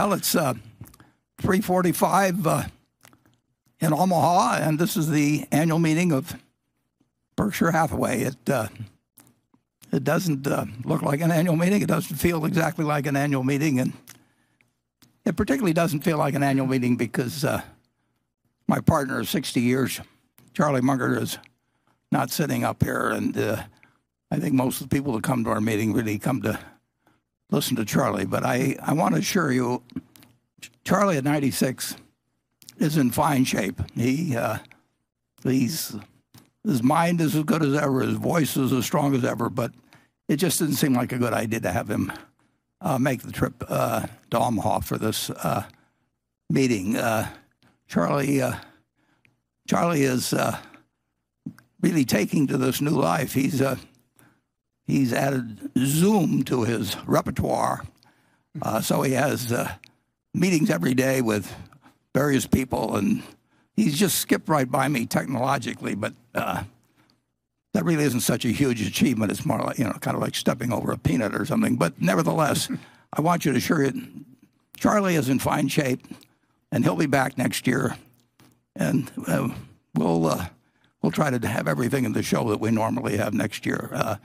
Well, it's 3:45 in Omaha, and this is the annual meeting of Berkshire Hathaway. It doesn't look like an annual meeting, it doesn't feel exactly like an annual meeting, and it particularly doesn't feel like an annual meeting because my partner of 60 years, Charlie Munger, is not sitting up here. I think most of the people that come to our meeting really come to listen to Charlie. I want to assure you, Charlie, at 96, is in fine shape. His mind is as good as ever, his voice is as strong as ever, but it just didn't seem like a good idea to have him make the trip to Omaha for this meeting. Charlie is really taking to this new life. He's added Zoom to his repertoire. He has meetings every day with various people, and he's just skipped right by me technologically, but that really isn't such a huge achievement. It's more like stepping over a peanut or something. Nevertheless, I want to assure you Charlie is in fine shape, and he'll be back next year. We'll try to have everything in the show that we normally have next year.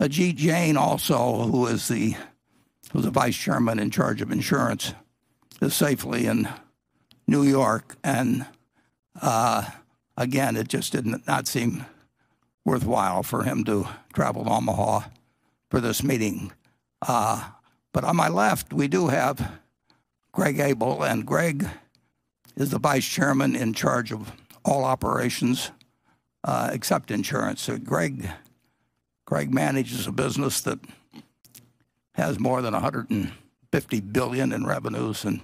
Ajit Jain, also, who is the Vice Chairman in charge of insurance, is safely in New York. Again, it just did not seem worthwhile for him to travel to Omaha for this meeting. On my left, we do have Greg Abel, and Greg is the Vice Chairman in charge of all operations except insurance. Greg manages a business that has more than $150 billion in revenues and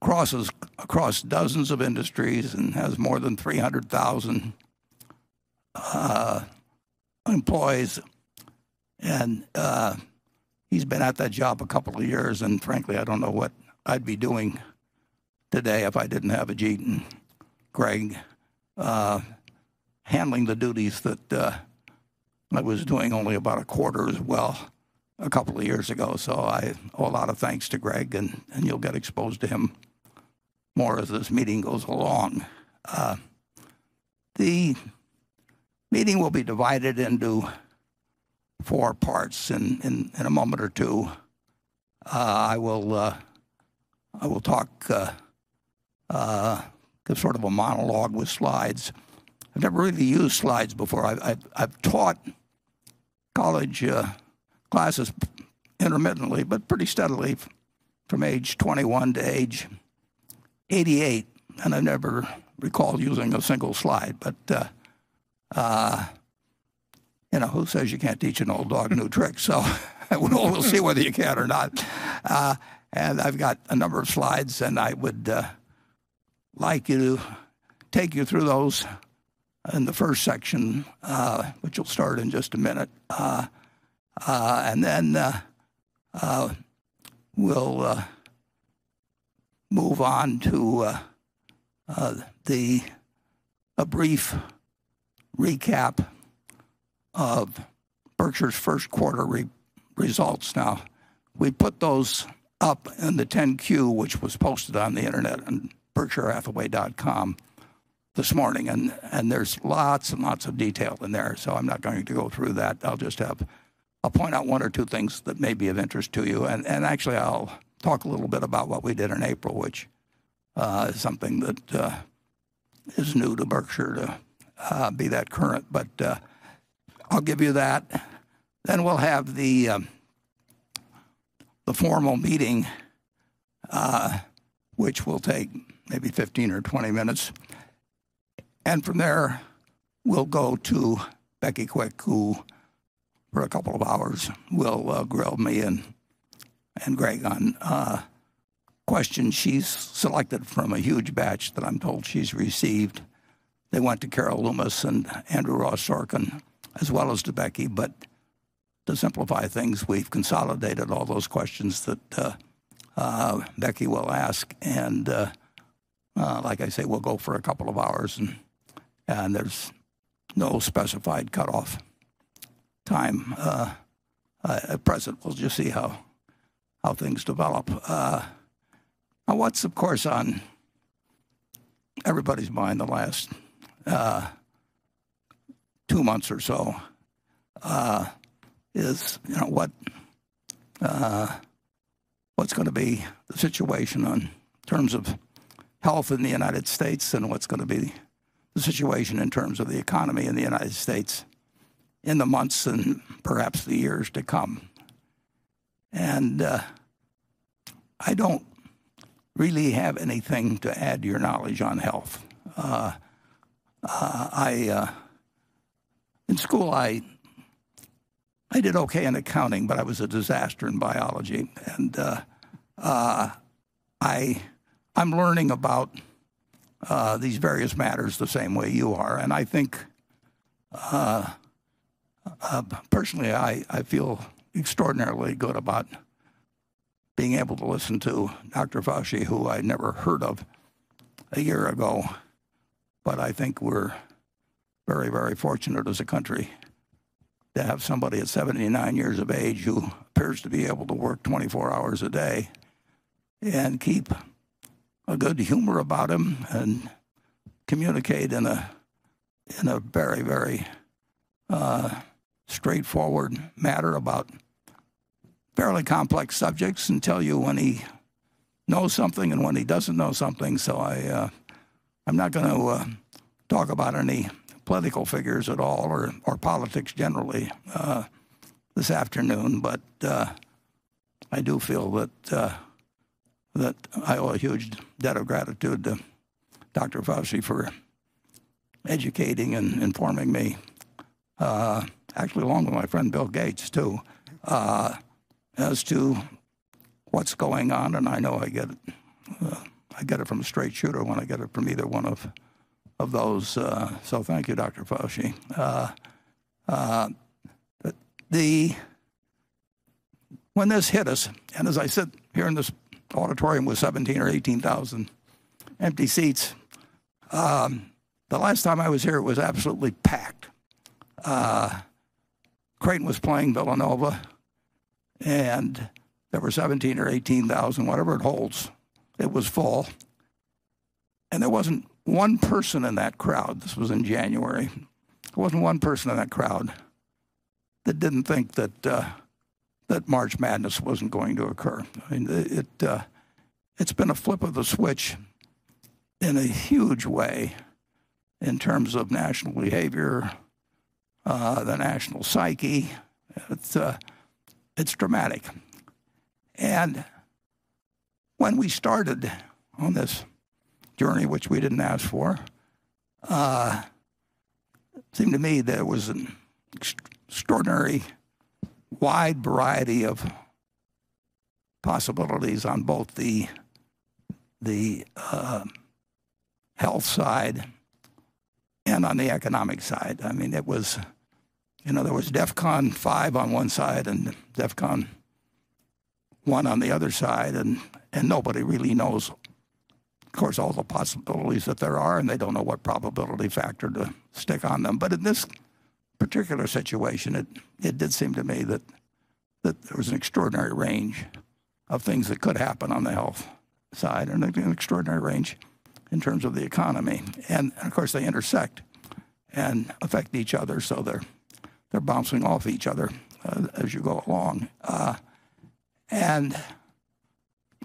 crosses across dozens of industries and has more than 300,000 employees. He's been at that job a couple of years, and frankly, I don't know what I'd be doing today if I didn't have Ajit and Greg handling the duties that I was doing only about 1/4 as well a couple of years ago. I owe a lot of thanks to Greg, and you'll get exposed to him more as this meeting goes along. The meeting will be divided into four parts. In a moment or two, I will talk, give sort of a monologue with slides. I've never really used slides before. I've taught college classes intermittently, but pretty steadily from age 21 to age 88, and I never recall using a single slide. Who says you can't teach an old dog a new trick? We'll see whether you can or not. I've got a number of slides, and I would like to take you through those in the first section, which will start in just a minute. We'll move on to a brief recap of Berkshire's first quarter results. We put those up in the 10-Q, which was posted on the internet on berkshirehathaway.com this morning, there's lots and lots of detail in there, I'm not going to go through that. I'll point out one or two things that may be of interest to you. I'll talk a little bit about what we did in April, which is something that is new to Berkshire to be that current. I'll give you that, we'll have the formal meeting, which will take maybe 15 or 20 minutes. From there, we'll go to Becky Quick, who, for a couple of hours, will grill me and Greg on questions she's selected from a huge batch that I'm told she's received. They went to Carol Loomis and Andrew Ross Sorkin, as well as to Becky. To simplify things, we've consolidated all those questions that Becky will ask. Like I say, we'll go for a couple of hours, and there's no specified cutoff time at present. We'll just see how things develop. What's, of course, on everybody's mind the last two months or so is what's going to be the situation in terms of health in the United States and what's going to be the situation in terms of the economy in the United States in the months and perhaps the years to come. I don't really have anything to add to your knowledge on health. In school, I did okay in accounting, but I was a disaster in biology. I'm learning about these various matters the same way you are. I think, personally, I feel extraordinarily good about being able to listen to Dr. Fauci, who I'd never heard of a year ago. I think we're very, very fortunate as a country. To have somebody at 79 years of age who appears to be able to work 24 hours a day and keep a good humor about him, and communicate in a very straightforward manner about fairly complex subjects, and tell you when he knows something and when he doesn't know something. I'm not going to talk about any political figures at all or politics generally this afternoon. I do feel that I owe a huge debt of gratitude to Dr. Fauci for educating and informing me, actually along with my friend Bill Gates too, as to what's going on. I know I get it from a straight shooter when I get it from either one of those. Thank you, Dr. Fauci. When this hit us, and as I sit here in this auditorium with 17,000 or 18,000 empty seats, the last time I was here, it was absolutely packed. Creighton was playing Villanova, and there were 17,000 or 18,000, whatever it holds. It was full. There wasn't one person in that crowd, this was in January, there wasn't one person in that crowd that didn't think that March Madness wasn't going to occur. It's been a flip of the switch in a huge way in terms of national behavior, the national psyche. It's dramatic. When we started on this journey, which we didn't ask for, it seemed to me there was an extraordinary wide variety of possibilities on both the health side and on the economic side. There was DEFCON 5 on one side and DEFCON 1 on the other side. Nobody really knows, of course, all the possibilities that there are, and they don't know what probability factor to stick on them. In this particular situation, it did seem to me that there was an extraordinary range of things that could happen on the health side, and an extraordinary range in terms of the economy. Of course, they intersect and affect each other, so they're bouncing off each other as you go along. I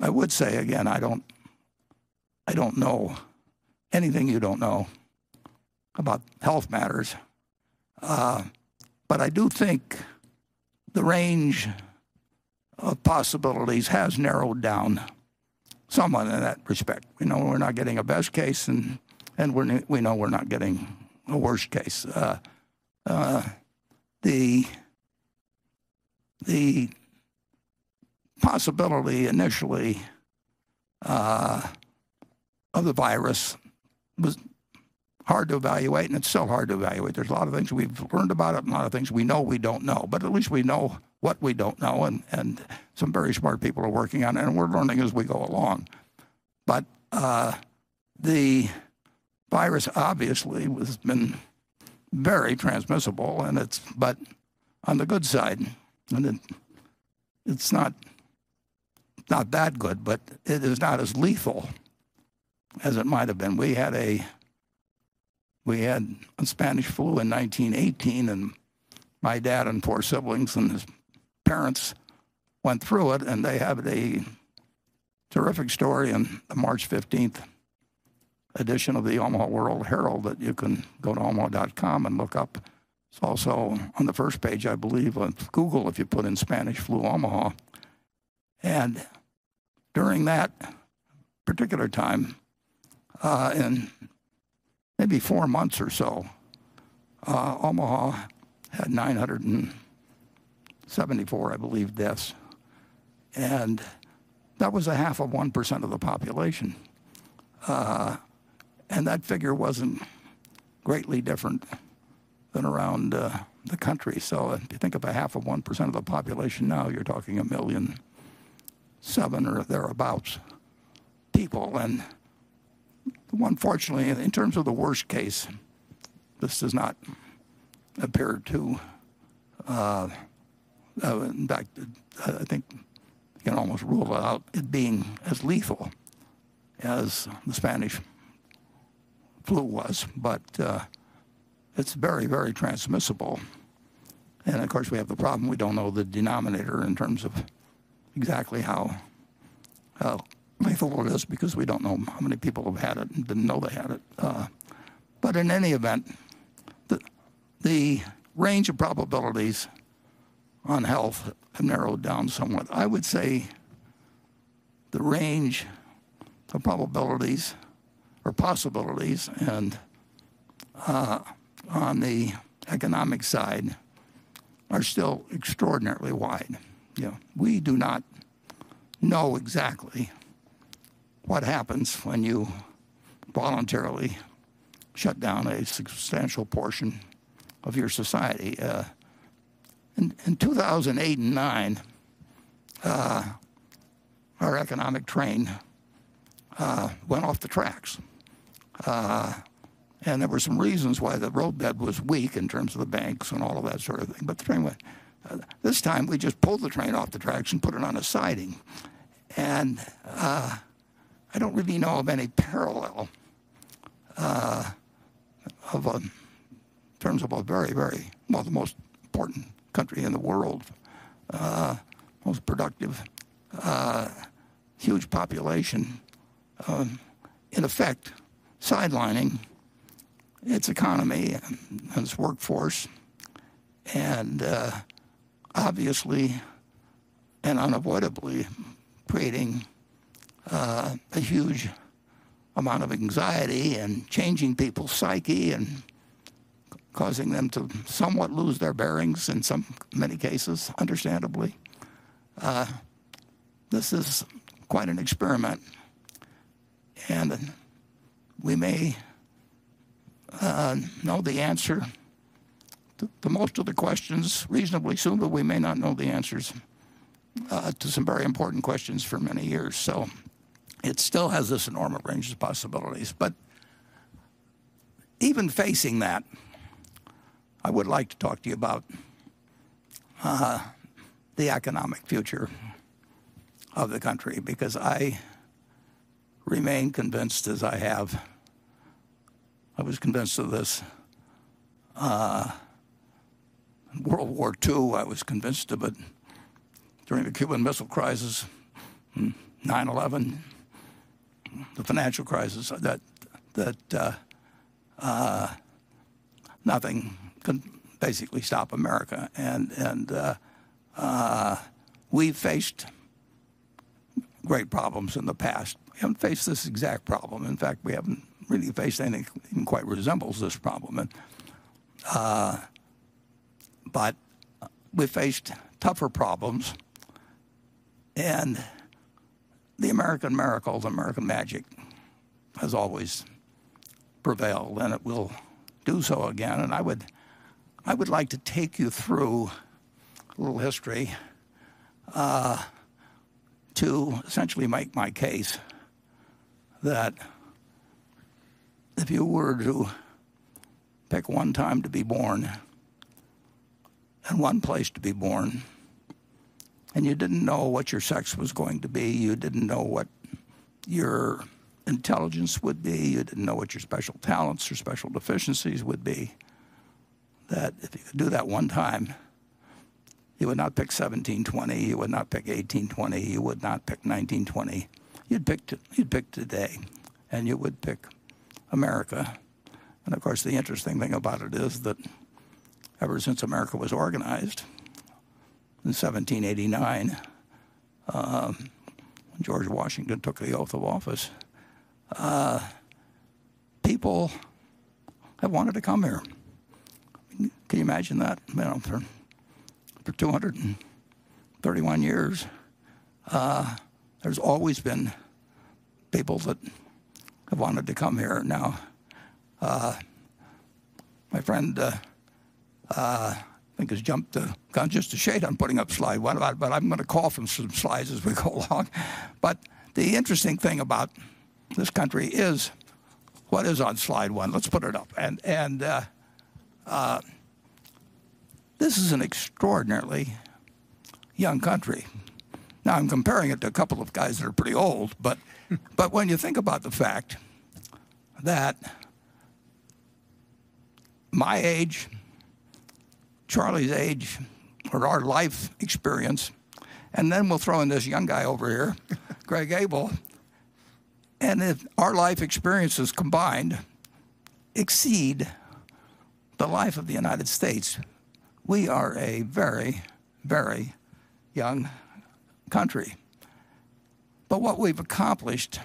would say again, I don't know anything you don't know about health matters. I do think the range of possibilities has narrowed down somewhat in that respect. We know we're not getting a best case, and we know we're not getting a worst case. The possibility initially of the virus was hard to evaluate, and it's still hard to evaluate. There's a lot of things we've learned about it, and a lot of things we know we don't know. At least we know what we don't know, and some very smart people are working on it, and we're learning as we go along. The virus obviously has been very transmissible, but on the good side, it's not that good, but it is not as lethal as it might've been. We had a Spanish flu in 1918. My dad and four siblings and his parents went through it. They have a terrific story in the March 15th edition of The Omaha World-Herald that you can go to omaha.com and look up. It's also on the first page, I believe, on Google if you put in "Spanish flu Omaha." During that particular time, in maybe four months or so, Omaha had 974, I believe, deaths. That was 1/2 of 1% of the population. That figure wasn't greatly different than around the country. If you think of 1/2 of 1% of the population now, you're talking 1,000,007 or thereabout people. Unfortunately, in terms of the worst case, this does not appear to, in fact, I think you can almost rule out it being as lethal as the Spanish flu was, but it's very, very transmissible. Of course, we have the problem, we don't know the denominator in terms of exactly how lethal it is because we don't know how many people have had it and didn't know they had it. In any event, the range of probabilities on health have narrowed down somewhat. I would say the range of probabilities or possibilities on the economic side are still extraordinarily wide. We do not know exactly what happens when you voluntarily shut down a substantial portion of your society. In 2008 and 2009. Our economic train went off the tracks. There were some reasons why the roadbed was weak in terms of the banks and all of that sort of thing. This time, we just pulled the train off the tracks and put it on a siding. I don't really know of any parallel in terms of a very, well, the most important country in the world. Most productive, huge population, in effect, sidelining its economy and its workforce, and obviously and unavoidably creating a huge amount of anxiety and changing people's psyche and causing them to somewhat lose their bearings in many cases, understandably. This is quite an experiment, and we may know the answer to most of the questions reasonably soon, but we may not know the answers to some very important questions for many years. It still has this enormous range of possibilities. Even facing that, I would like to talk to you about the economic future of the country because I remain convinced I was convinced of this in World War II, I was convinced of it during the Cuban Missile Crisis, 9/11, the financial crisis, that nothing can basically stop America. We've faced great problems in the past. We haven't faced this exact problem. In fact, we haven't really faced anything that even quite resembles this problem. We've faced tougher problems, and the American miracles, American magic, has always prevailed, and it will do so again. I would like to take you through a little history to essentially make my case that if you were to pick one time to be born and one place to be born and you didn't know what your sex was going to be, you didn't know what your intelligence would be, you didn't know what your special talents or special deficiencies would be, that if you could do that one time, you would not pick 1720, you would not pick 1820, you would not pick 1920. You'd pick today, and you would pick America. Of course, the interesting thing about it is that ever since America was organized in 1789, when George Washington took the oath of office, people have wanted to come here. Can you imagine that? For 231 years, there's always been people that have wanted to come here. My friend, I think has jumped the gun just a shade on putting up slide one, but I'm going to call for some slides as we go along. The interesting thing about this country is what is on slide one. Let's put it up. This is an extraordinarily young country. I'm comparing it to a couple of guys that are pretty old. When you think about the fact that my age, Charlie's age, or our life experience, and then we'll throw in this young guy over here, Greg Abel. If our life experiences combined exceed the life of the United States, we are a very young country. What we've accomplished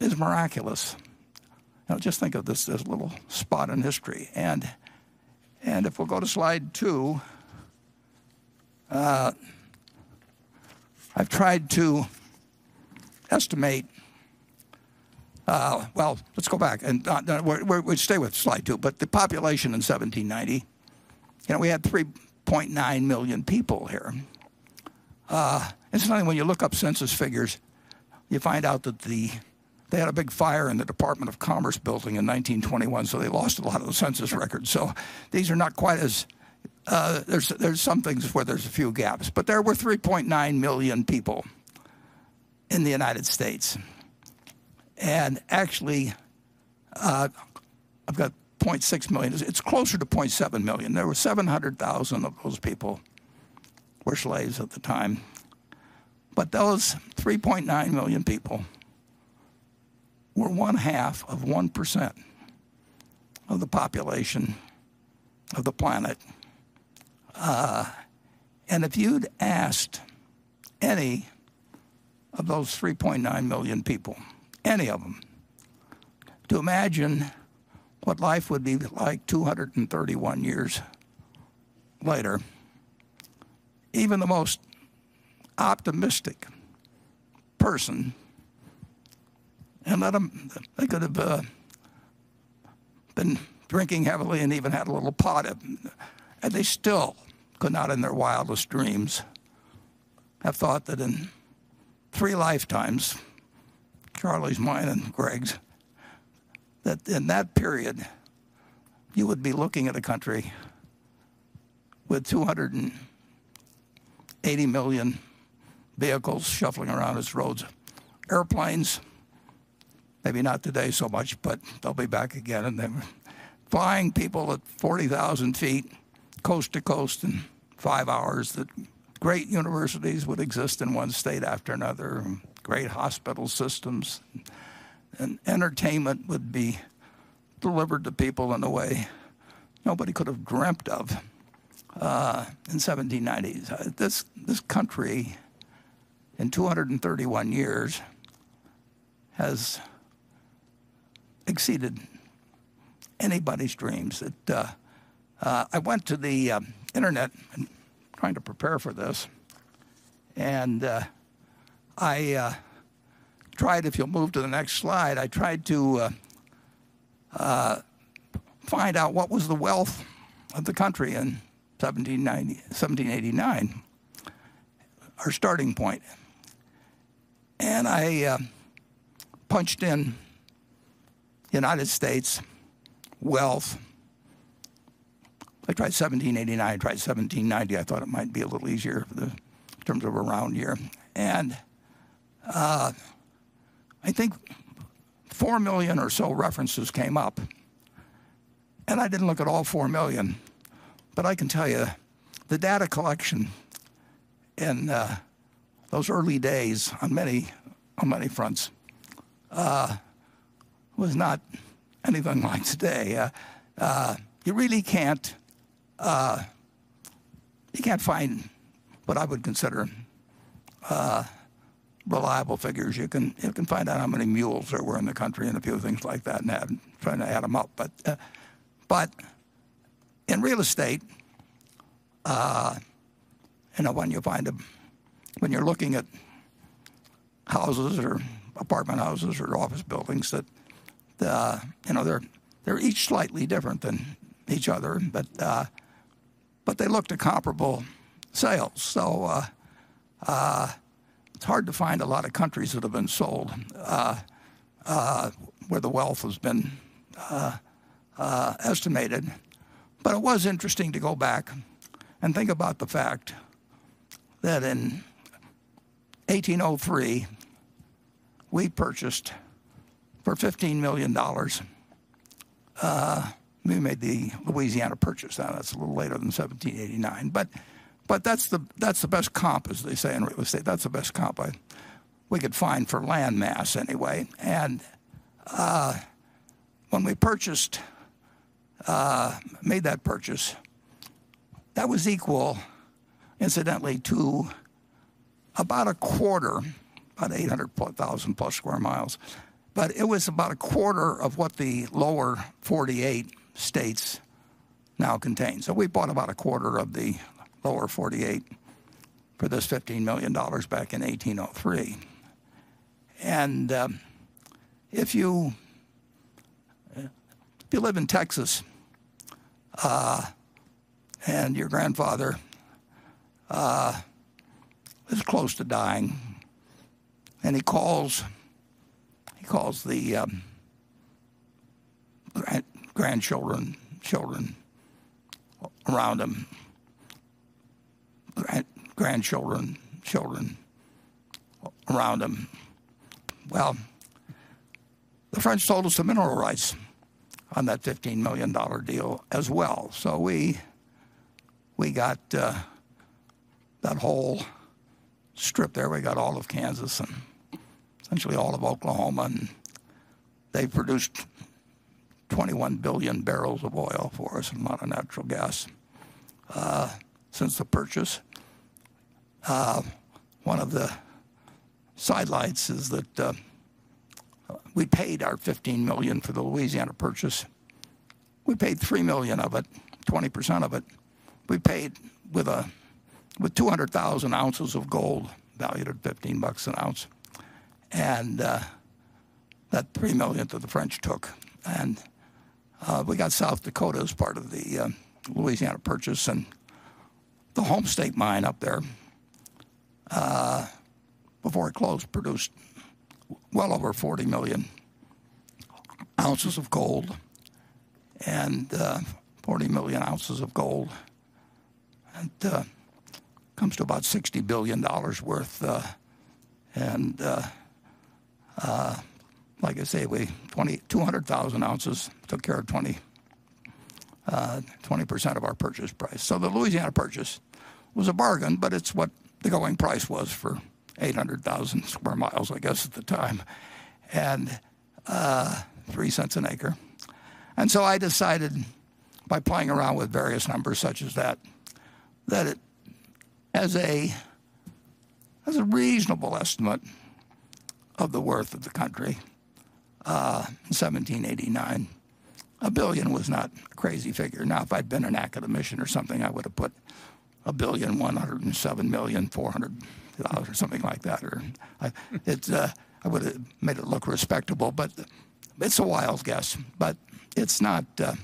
is miraculous. Just think of this as a little spot in history. If we go to slide two, I've tried to estimate. Well, let's go back. We'll stay with slide two, but the population in 1790, we had 3.9 million people here. It's funny when you look up census figures, you find out that they had a big fire in the Department of Commerce building in 1921, so they lost a lot of the census records. There's some things where there's a few gaps. There were 3.9 million people in the United States. Actually, I've got 0.6 million. It's closer to 0.7 million. There were 700,000 of those people were slaves at the time. Those 3.9 million people were one half of 1% of the population of the planet. If you'd asked any of those 3.9 million people, any of them, to imagine what life would be like 231 years later, even the most optimistic person, they could have been drinking heavily and even had a little pot. They still could not in their wildest dreams have thought that in three lifetimes, Charlie's, mine, and Greg's, that in that period you would be looking at a country with 280 million vehicles shuffling around its roads. Airplanes, maybe not today so much, but they'll be back again. Flying people at 40,000 feet coast to coast in five hours. That great universities would exist in one state after another, great hospital systems, and entertainment would be delivered to people in a way nobody could have dreamt of in 1790. This country in 231 years has exceeded anybody's dreams. I went to the internet trying to prepare for this, and if you'll move to the next slide, I tried to find out what was the wealth of the country in 1789, our starting point. I punched in "United States wealth." I tried 1789. I tried 1790. I thought it might be a little easier in terms of a round year. I think 4 million or so references came up, and I didn't look at all 4 million, but I can tell you the data collection in those early days on many fronts was not anything like today. You really can't find what I would consider reliable figures. You can find out how many mules there were in the country and a few things like that and trying to add them up. In real estate, when you're looking at houses or apartment houses or office buildings, they're each slightly different than each other, but they look to comparable sales. It's hard to find a lot of countries that have been sold, where the wealth has been estimated. It was interesting to go back and think about the fact that in 1803, we purchased for $15 million. We made the Louisiana Purchase. That's a little later than 1789, but that's the best comp, as they say in real estate. That's the best comp we could find for land mass anyway. When we made that purchase, that was equal, incidentally, to about 1/4, about 800,000+ square miles, but it was about 1/4 of what the lower 48 states now contain. We bought about 1/4 of the lower 48 for this $15 million back in 1803. If you live in Texas, and your grandfather is close to dying, and he calls the grandchildren, children around him. The French sold us the mineral rights on that $15 million deal as well. We got that whole strip there. We got all of Kansas and essentially all of Oklahoma, they produced 21 billion barrels of oil for us and a lot of natural gas since the purchase. One of the sidelights is that, we paid our $15 million for the Louisiana Purchase. We paid $3 million of it, 20% of it. We paid with 200,000 ounces of gold valued at $15 an ounce. That $3 million that the French took. We got South Dakota as part of the Louisiana Purchase. The Homestake Mine up there, before it closed, produced well over 40 million ounces of gold. Comes to about $60 billion worth. Like I say, 200,000 ounces took care of 20% of our purchase price. The Louisiana Purchase was a bargain, but it's what the going price was for 800,000 square miles, I guess, at the time, and $0.03 an acre. I decided by playing around with various numbers such as that as a reasonable estimate of the worth of the country, 1789, $1 billion was not a crazy figure. Now, if I'd been an academician or something, I would have put $1,107,400,000 or something like that. I would've made it look respectable, but it's a wild guess. It's not a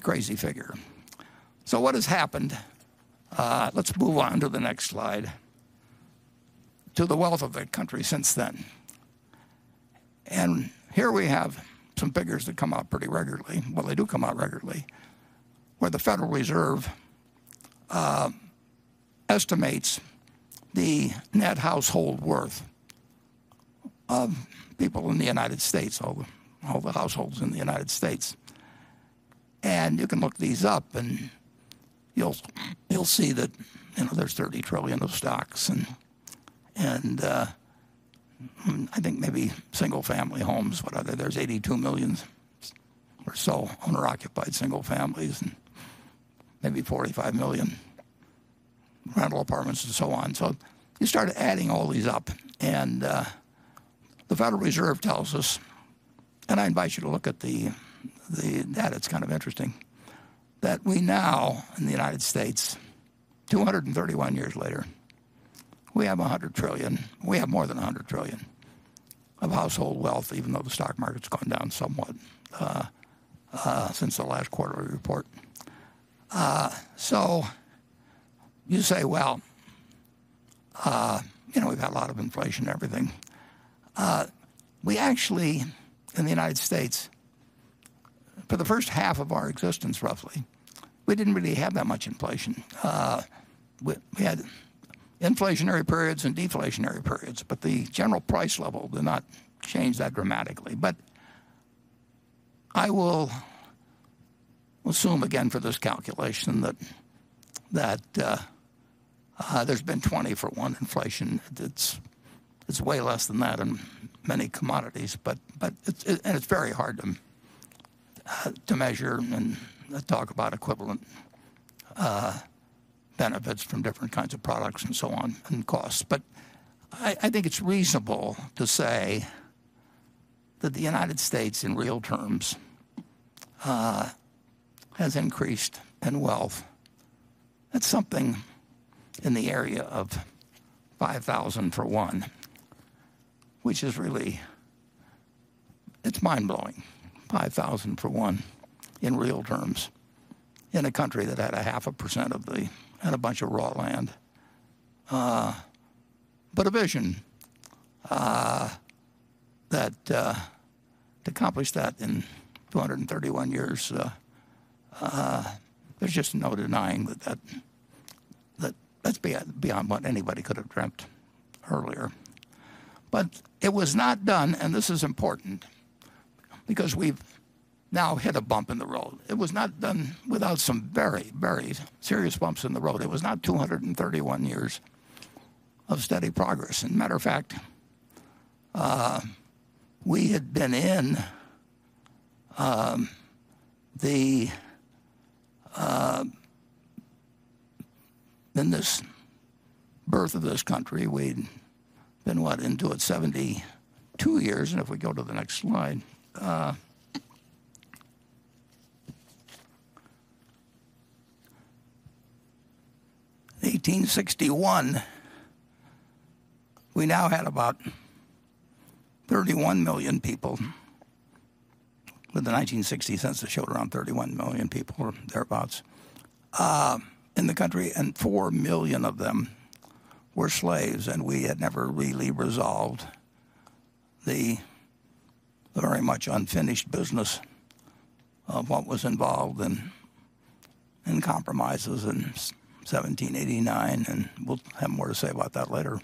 crazy figure. What has happened, let's move on to the next slide, to the wealth of the country since then. Here we have some figures that come out pretty regularly. Well, they do come out regularly, where the Federal Reserve estimates the net household worth of people in the United States, all the households in the United States. You can look these up, and you'll see that there's $30 trillion of stocks and, I think maybe single family homes, what other, there's 82 million or so owner-occupied single families and maybe 45 million rental apartments and so on. You start adding all these up, and the Federal Reserve tells us, and I invite you to look at the data, it's kind of interesting, that we now in the United States, 231 years later, we have $100 trillion. We have more than $100 trillion of household wealth, even though the stock market's gone down somewhat since the last quarterly report. You say, "Well, we've had a lot of inflation, everything." We actually, in the U.S., for the first half of our existence roughly, we didn't really have that much inflation. We had inflationary periods and deflationary periods, the general price level did not change that dramatically. I will assume again for this calculation that there's been 20 for one inflation. It's way less than that in many commodities. It's very hard to measure and talk about equivalent benefits from different kinds of products and so on and costs. I think it's reasonable to say that the U.S., in real terms, has increased in wealth at something in the area of 5,000 for one, which is really mind-blowing. 5,000 for one in real terms in a country that had half a percent had a bunch of raw land. A vision. To accomplish that in 231 years, there's just no denying that that's beyond what anybody could've dreamt earlier. It was not done, and this is important because we've now hit a bump in the road. It was not done without some very, very serious bumps in the road. It was not 231 years of steady progress. Matter of fact, we had been in this birth of this country, we'd been what? Into it 72 years. If we go to the next slide. 1861, we now had about 31 million people. With the 1960 census showed around 31 million people or thereabouts in the country, and 4 million of them were slaves, and we had never really resolved the very much unfinished business of what was involved in compromises in 1789, and we'll have more to say about that later.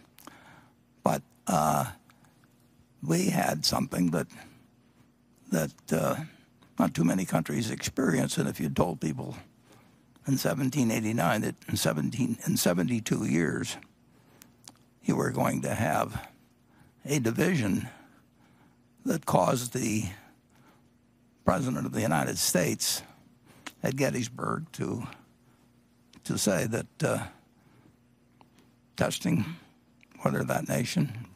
We had something that not too many countries experience, and if you told people in 1789 that in 72 years you were going to have a division that caused the president of the United States at Gettysburg to say that, "Testing whether that nation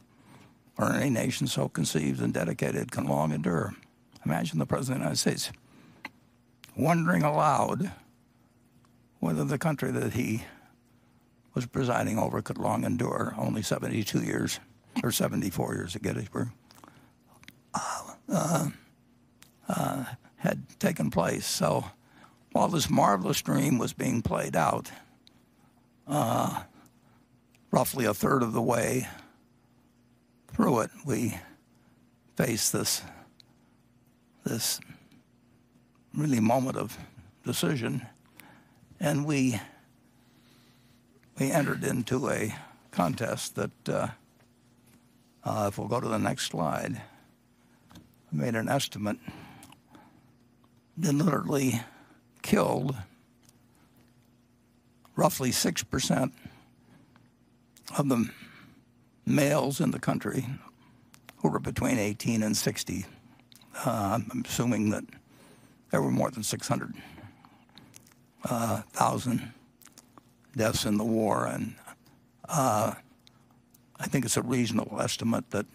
or any nation so conceived and dedicated can long endure." Imagine the president of the United States wondering aloud whether the country that he was presiding over could long endure only 72 years or 74 years at Gettysburg had taken place. While this marvelous dream was being played out, roughly 1/3 of the way through it, we faced this really moment of decision, and we entered into a contest that, if we'll go to the next slide, made an estimate, deliberately killed roughly 6% of the males in the country who were between 18 and 60. I'm assuming that there were more than 600,000 deaths in the war. I think it's a reasonable estimate that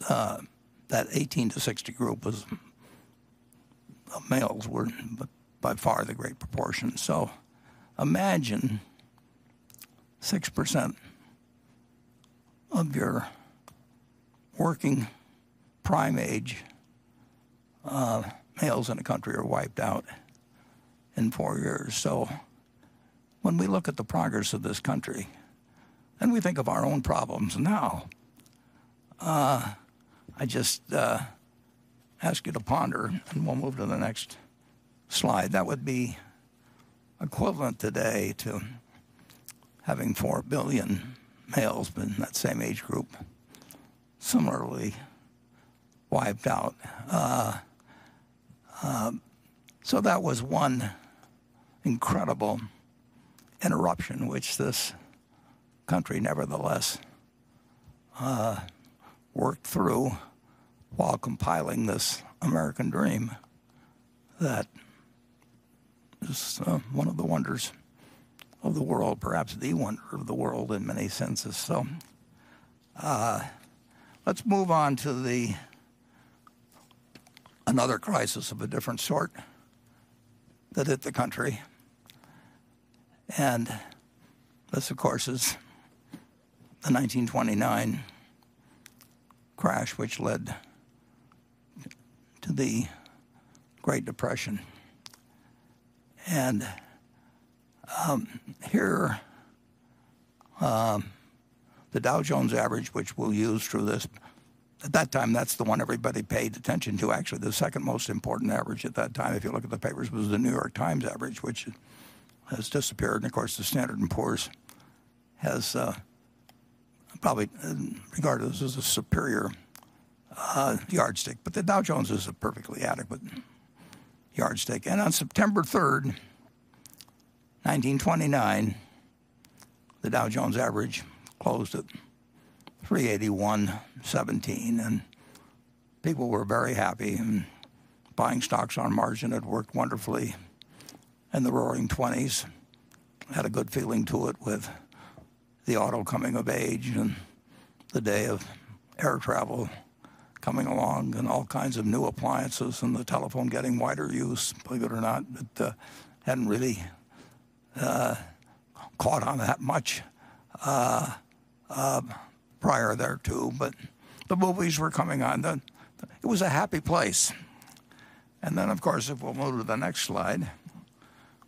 18-60 group, males were by far the great proportion. Imagine 6% of your working prime age males in a country are wiped out in four years. When we look at the progress of this country and we think of our own problems now, I just ask you to ponder, and we'll move to the next slide. That would be equivalent today to having four billion males in that same age group similarly wiped out. That was one incredible interruption which this country nevertheless worked through while compiling this American dream that is one of the wonders of the world, perhaps the wonder of the world in many senses. Let's move on to another crisis of a different sort that hit the country. This, of course, is the 1929 crash, which led to the Great Depression. Here, the Dow Jones average, which we'll use for this. At that time, that's the one everybody paid attention to. Actually, the second most important average at that time, if you look at the papers, was "The New York Times" average, which has disappeared. Of course, the Standard & Poor's is probably regarded as a superior yardstick. The Dow Jones is a perfectly adequate yardstick. On September 3rd, 1929, the Dow Jones average closed at 381.17, and people were very happy, and buying stocks on margin had worked wonderfully. The Roaring '20s had a good feeling to it, with the auto coming of age and the day of air travel coming along and all kinds of new appliances and the telephone getting wider use. Believe it or not, it hadn't really caught on that much prior thereto, but the movies were coming on. It was a happy place. Of course, if we'll move to the next slide,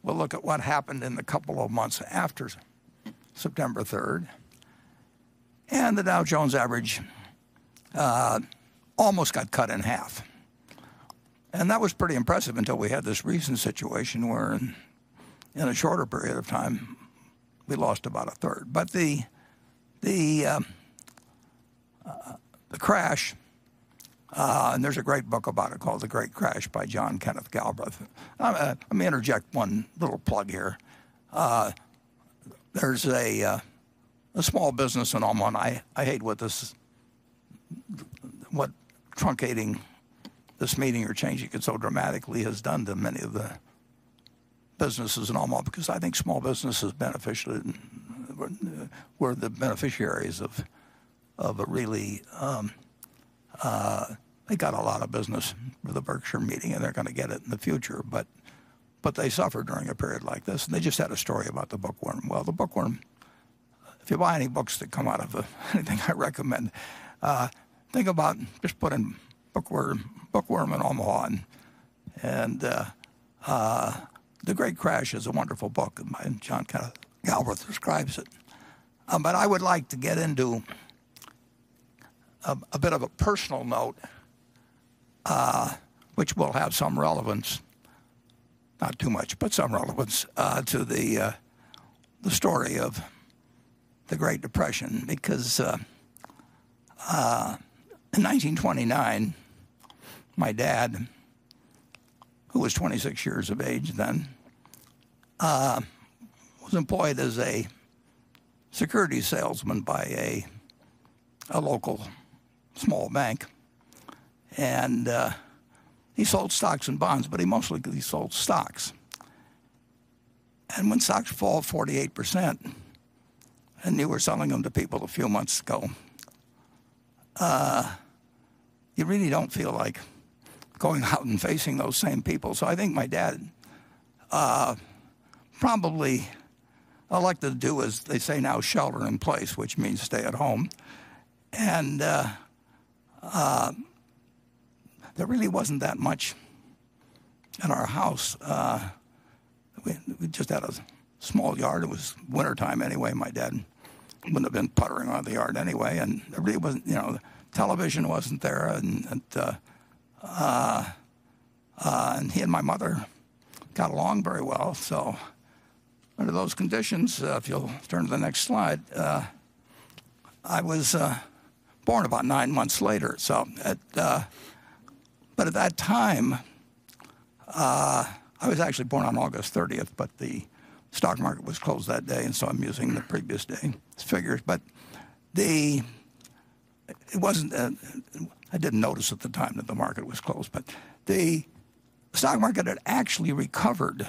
we'll look at what happened in the couple of months after September 3rd. The Dow Jones average almost got cut in half. That was pretty impressive until we had this recent situation where in a shorter period of time, we lost about 1/3. The crash, and there's a great book about it called "The Great Crash" by John Kenneth Galbraith. Let me interject one little plug here. There's a small business in Omaha, and I hate what truncating this meeting or changing it so dramatically has done to many of the businesses in Omaha, because I think small business were the beneficiaries of it really. They got a lot of business with the Berkshire meeting, and they're going to get it in the future. They suffer during a period like this, and they just had a story about The Bookworm. Well, The Bookworm, if you buy any books that come out of it, anything I recommend, think about just putting Bookworm in Omaha. "The Great Crash" is a wonderful book, and John Kenneth Galbraith describes it. I would like to get into a bit of a personal note which will have some relevance, not too much, but some relevance to the story of the Great Depression. Because in 1929, my dad, who was 26 years of age then, was employed as a security salesman by a local small bank. He sold stocks and bonds, but mostly he sold stocks. When stocks fall 48%, and you were selling them to people a few months ago, you really don't feel like going out and facing those same people. I think my dad probably elected to do as they say now, shelter in place, which means stay at home. There really wasn't that much at our house. We just had a small yard. It was wintertime anyway. My dad wouldn't have been puttering around the yard anyway, and television wasn't there. He and my mother got along very well. Under those conditions, if you'll turn to the next slide, I was born about nine months later. At that time, I was actually born on August 30th, but the stock market was closed that day, and so I'm using the previous day's figures. I didn't notice at the time that the market was closed, the stock market had actually recovered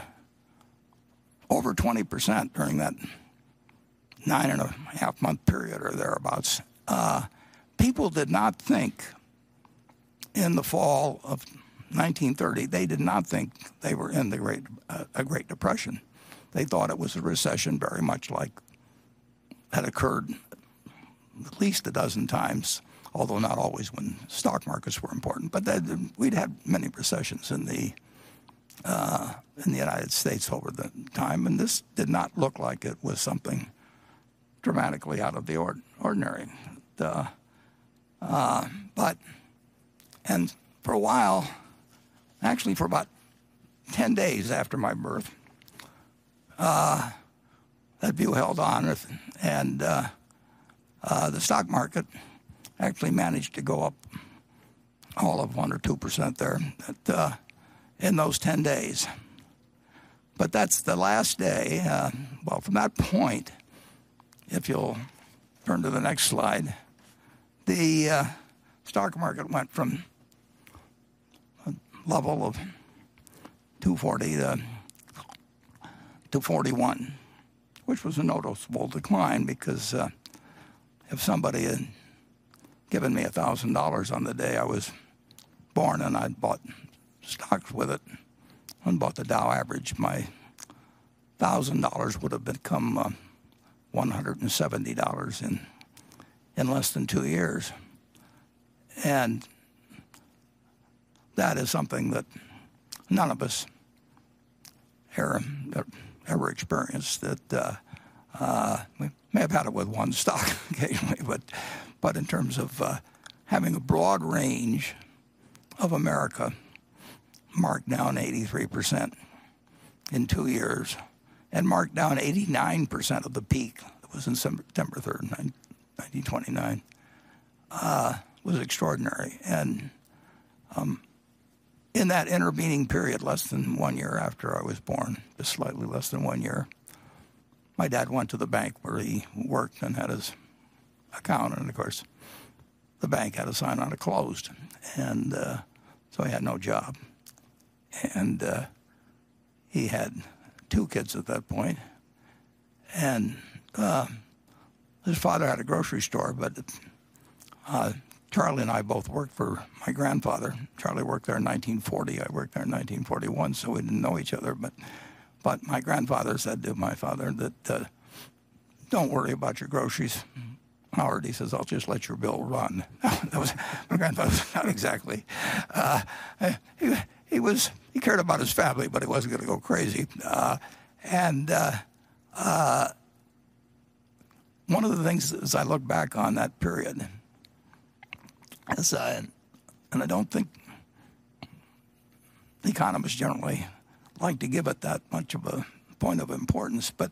over 20% during that 9.5 month period or thereabouts. People did not think in the fall of 1930, they did not think they were in a Great Depression. They thought it was a recession very much like had occurred at least a dozen times, although not always when stock markets were important. We'd had many recessions in the United States over the time, and this did not look like it was something dramatically out of the ordinary. For a while, actually for about 10 days after my birth, that view held on, and the stock market actually managed to go up all of 1% or 2% there in those 10 days. That's the last day. Well, from that point, if you'll turn to the next slide, the stock market went from a level of 240 to 241, which was a noticeable decline because, if somebody had given me $1,000 on the day I was born and I'd bought stocks with it and bought the Dow average, my $1,000 would have become $170 in less than two years. That is something that none of us ever experienced. We may have had it with one stock occasionally, but in terms of having a broad range of America marked down 83% in two years and marked down 89% of the peak. It was in September 3rd, 1929. That was extraordinary. In that intervening period, less than one year after I was born, just slightly less than one year, my dad went to the bank where he worked and had his account. Of course, the bank had a sign on it closed. He had no job. He had two kids at that point. His father had a grocery store, but Charlie and I both worked for my grandfather. Charlie worked there in 1940. I worked there in 1941, so we didn't know each other. My grandfather said to my father that, "Don't worry about your groceries." "Howard," he says, "I'll just let your bill run." My grandfather was not exactly. He cared about his family, but he wasn't going to go crazy. One of the things as I look back on that period is, and I don't think economists generally like to give it that much of a point of importance, but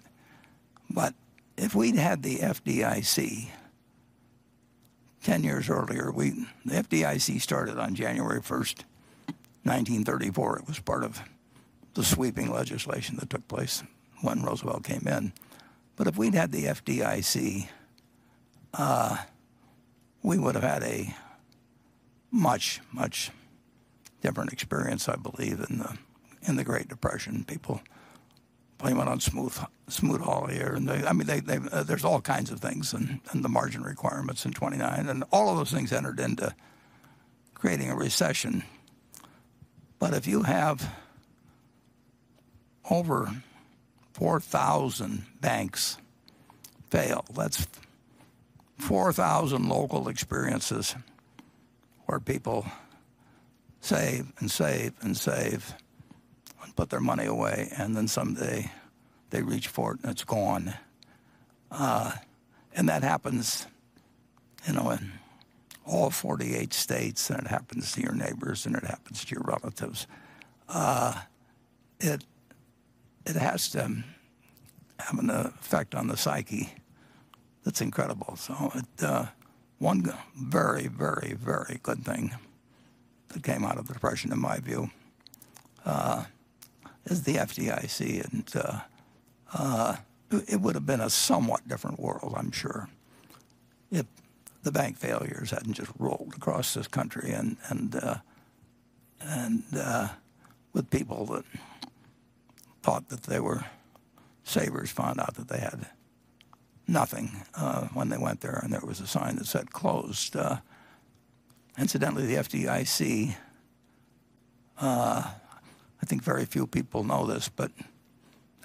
if we'd had the FDIC 10 years earlier. The FDIC started on January 1st, 1934. It was part of the sweeping legislation that took place when Roosevelt came in. If we'd had the FDIC, we would have had a much, much different experience, I believe, in the Great Depression. People blame it on Smoot-Hawley. There's all kinds of things, and the margin requirements in 1929, and all of those things entered into creating a recession. If you have over 4,000 banks fail, that's 4,000 local experiences where people save and save and save and put their money away, and then someday they reach for it and it's gone. That happens in all 48 states, and it happens to your neighbors, and it happens to your relatives. It has to have an effect on the psyche that's incredible. One very, very, very good thing that came out of the Depression, in my view, is the FDIC. It would have been a somewhat different world, I'm sure, if the bank failures hadn't just rolled across this country. With people that thought that they were savers found out that they had nothing when they went there, and there was a sign that said "Closed." Incidentally, the FDIC, I think very few people know this, or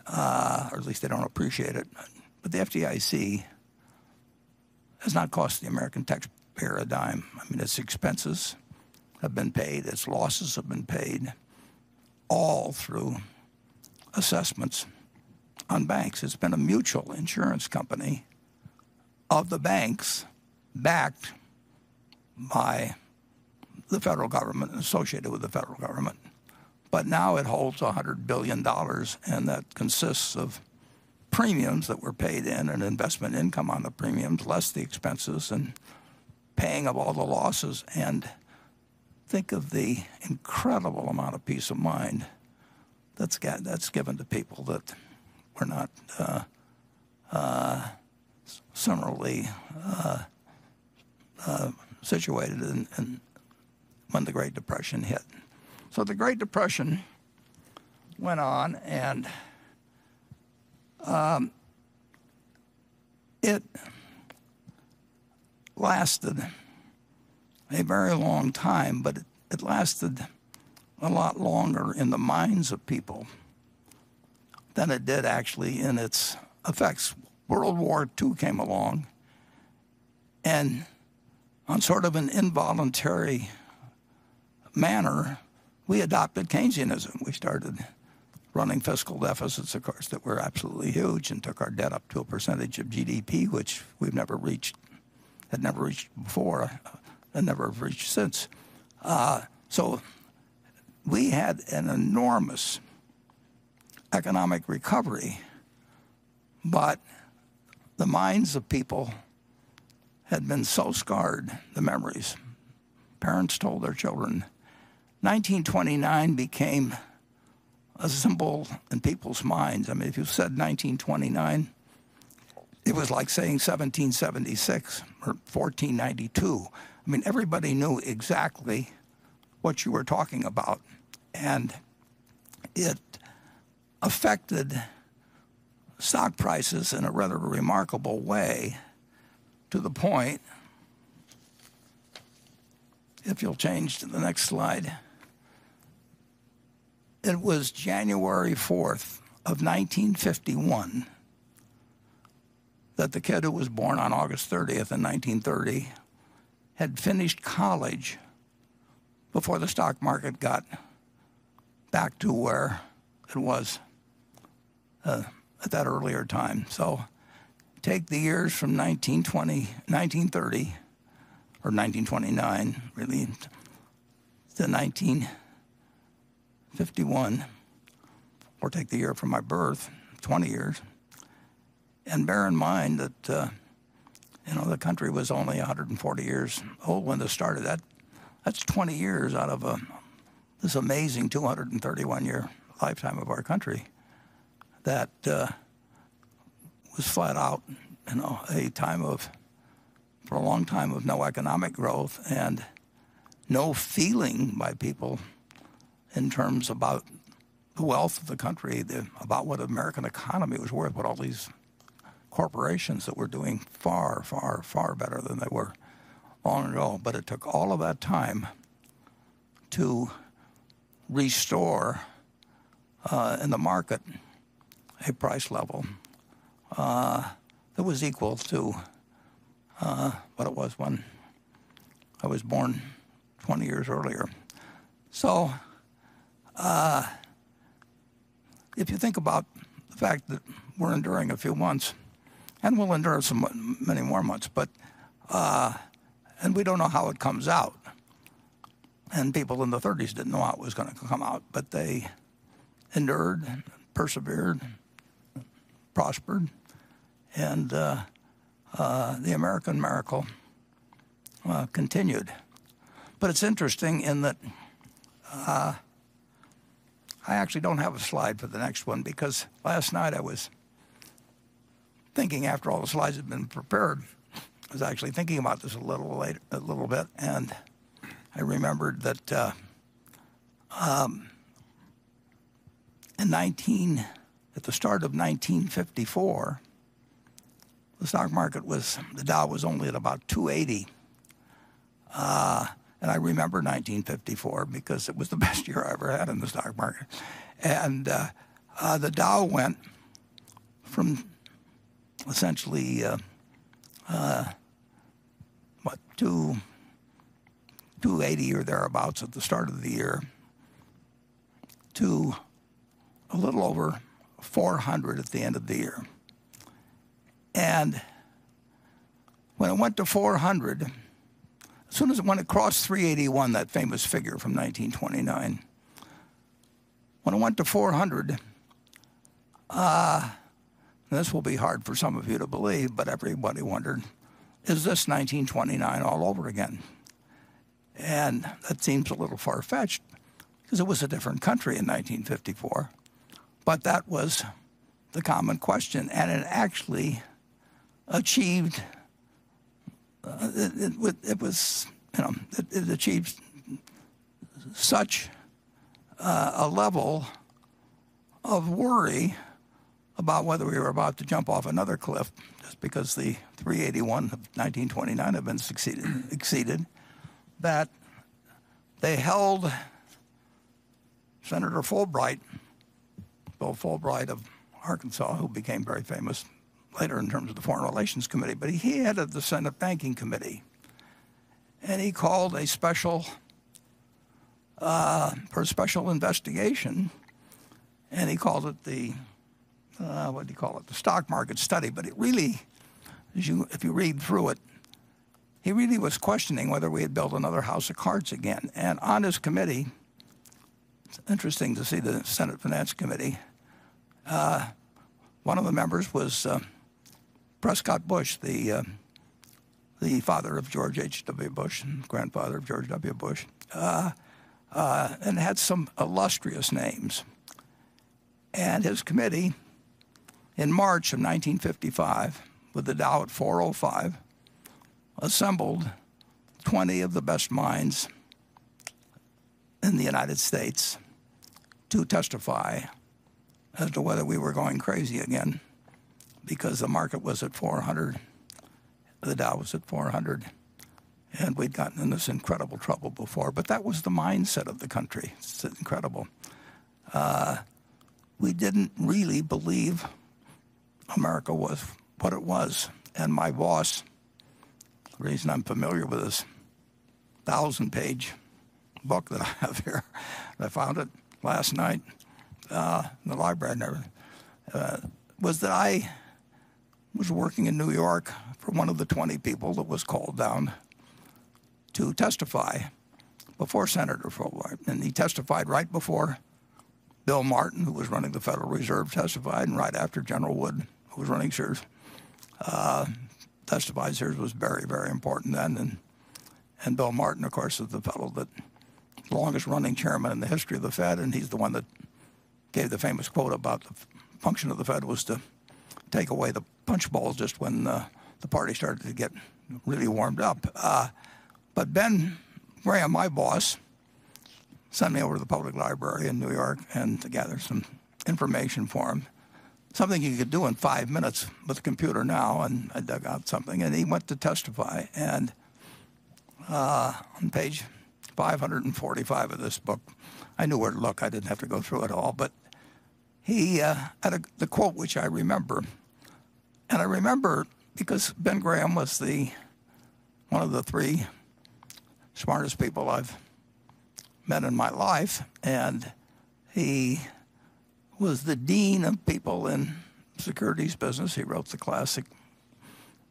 at least they don't appreciate it, but the FDIC has not cost the American taxpayer a dime. Its expenses have been paid, its losses have been paid all through assessments on banks. It's been a mutual insurance company of the banks backed by the federal government and associated with the federal government. Now it holds $100 billion, and that consists of premiums that were paid in and investment income on the premiums, less the expenses and paying of all the losses. Think of the incredible amount of peace of mind that's given to people that were not similarly situated when the Great Depression hit. The Great Depression went on, and it lasted a very long time, but it lasted a lot longer in the minds of people than it did actually in its effects. World War II came along, and on sort of an involuntary manner, we adopted Keynesianism. We started running fiscal deficits, of course, that were absolutely huge and took our debt up to a percentage of GDP, which we had never reached before and never have reached since. We had an enormous economic recovery, but the minds of people had been so scarred, the memories. Parents told their children. 1929 became a symbol in people's minds. If you said 1929, it was like saying 1776 or 1492. Everybody knew exactly what you were talking about, and it affected stock prices in a rather remarkable way to the point, if you'll change to the next slide. It was January 4th, 1951 that the kid who was born on August 30th, 1930 had finished college before the stock market got back to where it was at that earlier time. Take the years from 1920, 1930, or 1929 really, to 1951, or take the year from my birth, 20 years. Bear in mind that the country was only 140 years old when this started. That's 20 years out of this amazing 231-year lifetime of our country that was flat out a time of, for a long time, of no economic growth and no feeling by people in terms about the wealth of the country, about what the American economy was worth, what all these corporations that were doing far, far, far better than they were on and on. It took all of that time to restore, in the market, a price level that was equal to what it was when I was born 20 years earlier. If you think about the fact that we're enduring a few months, and we'll endure some many more months. We don't know how it comes out, and people in the '30s didn't know how it was going to come out, they endured, persevered, prospered, and the American miracle continued. It's interesting in that I actually don't have a slide for the next one because last night I was thinking after all the slides had been prepared, I was actually thinking about this a little bit, I remembered that at the start of 1954, the Dow was only at about 280. I remember 1954 because it was the best year I ever had in the stock market. The Dow went from essentially what, 280 or thereabouts at the start of the year to a little over 400 at the end of the year. When it went to 400, as soon as it went across 381, that famous figure from 1929. When it went to 400, this will be hard for some of you to believe, but everybody wondered, "Is this 1929 all over again?" That seems a little far-fetched because it was a different country in 1954, but that was the common question, and it actually achieved such a level of worry about whether we were about to jump off another cliff just because the 381 of 1929 had been exceeded, that they held Senator Fulbright, Bill Fulbright of Arkansas, who became very famous later in terms of the Foreign Relations Committee. He headed the Senate Banking Committee, and he called for a special investigation, and he called it the, what did he call it? The Stock Market Study. If you read through it, he really was questioning whether we had built another house of cards again. On his committee, it is interesting to see the Senate Finance Committee. One of the members was Prescott Bush, the father of George H.W. Bush and grandfather of George W. Bush, and had some illustrious names. His committee in March of 1955, with the Dow at 405, assembled 20 of the best minds in the United States to testify as to whether we were going crazy again because the market was at 400, the Dow was at 400, and we had gotten in this incredible trouble before. That was the mindset of the country. It is incredible. We did not really believe America was what it was. My boss, the reason I am familiar with this thousand-page book that I have here, I found it last night in the library. Was that I was working in New York for one of the 20 people that was called down to testify before Senator Fulbright, and he testified right before Bill Martin, who was running the Federal Reserve, testified, and right after General Wood, who was running Sears, testified. Sears was very important then. Bill Martin, of course, was the fellow that the longest-running chairman in the history of the Fed, and he's the one that gave the famous quote about the function of the Fed was to take away the punchbowl just when the party started to get really warmed up. Ben Graham, my boss, sent me over to the public library in New York to gather some information for him, something you could do in five minutes with a computer now, and I dug out something, and he went to testify. On page 545 of this book, I knew where to look. I didn't have to go through it all. He had the quote, which I remember. I remember because Ben Graham was one of the three smartest people I've met in my life, and he was the dean of people in securities business. He wrote the classic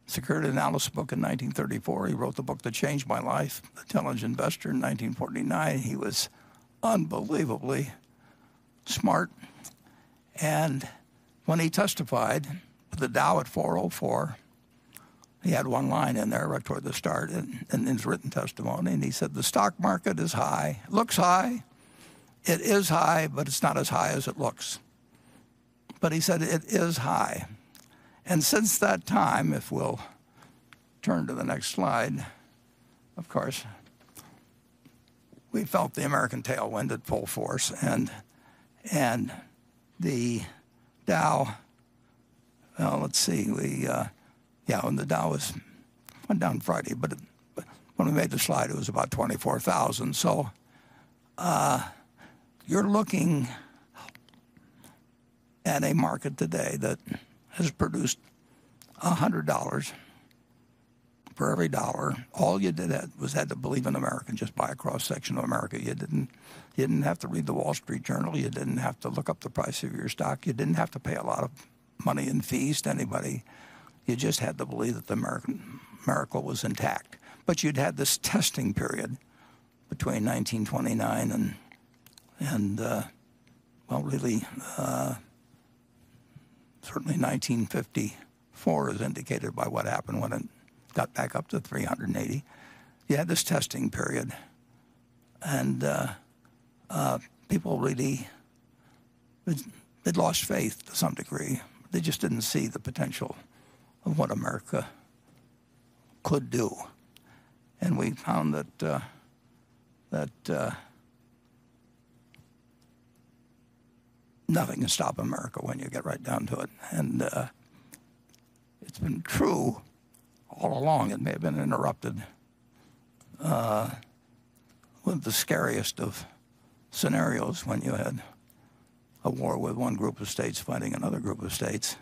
"Security Analysis" book in 1934. He wrote the book that changed my life, "The Intelligent Investor," in 1949. He was unbelievably smart. When he testified with the Dow at 404, he had one line in there right toward the start in his written testimony, and he said, "The stock market is high. Looks high. It is high, but it's not as high as it looks." He said it is high. Since that time, if we'll turn to the next slide, of course, we felt the American tailwind at full force. The Dow, well, let's see, yeah, when the Dow went down Friday, but when we made the slide, it was about 24,000. You're looking at a market today that has produced $100 for every dollar. All you did was had to believe in America, and just buy a cross-section of America. You didn't have to read The Wall Street Journal. You didn't have to look up the price of your stock. You didn't have to pay a lot of money in fees to anybody. You just had to believe that the American miracle was intact. You'd had this testing period between 1929 and, well, really, certainly 1954, as indicated by what happened when it got back up to 380. You had this testing period. People really, they'd lost faith to some degree. They just didn't see the potential of what America could do. We found that nothing can stop America when you get right down to it. It's been true all along. It may have been interrupted with the scariest of scenarios, when you had a war with one group of states fighting another group of states.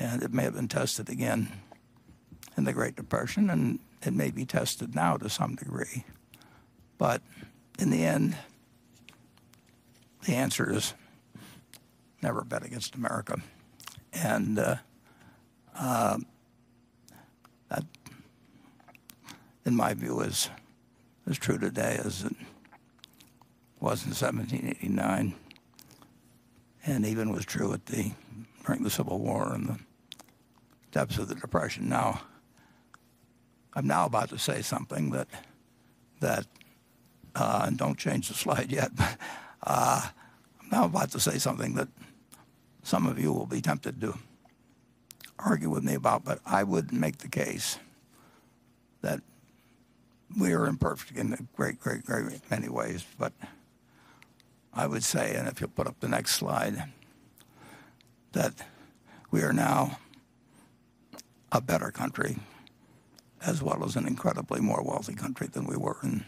It may have been tested again in the Great Depression, and it may be tested now to some degree. In the end, the answer is never bet against America. That, in my view, is as true today as it was in 1789 and even was true during the Civil War and the depths of the Depression. I'm now about to say something that, and don't change the slide yet, but I'm now about to say something that some of you will be tempted to argue with me about. I would make the case that we are imperfect in a very many ways. I would say, and if you'll put up the next slide, that we are now a better country as well as an incredibly more wealthy country than we were in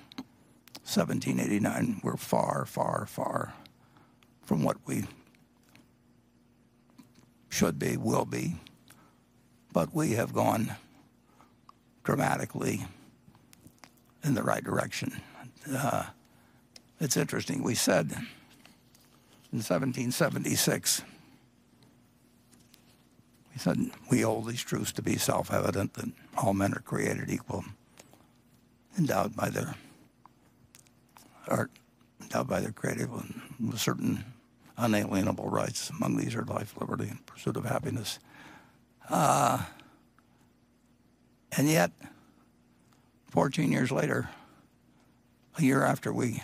1789. We're far from what we should be, will be, we have gone dramatically in the right direction. It's interesting, we said in 1776, "We hold these truths to be self-evident that all men are created equal, endowed by their Creator with certain unalienable rights. Among these are life, liberty, and pursuit of happiness." Yet, 14 years later, a year after we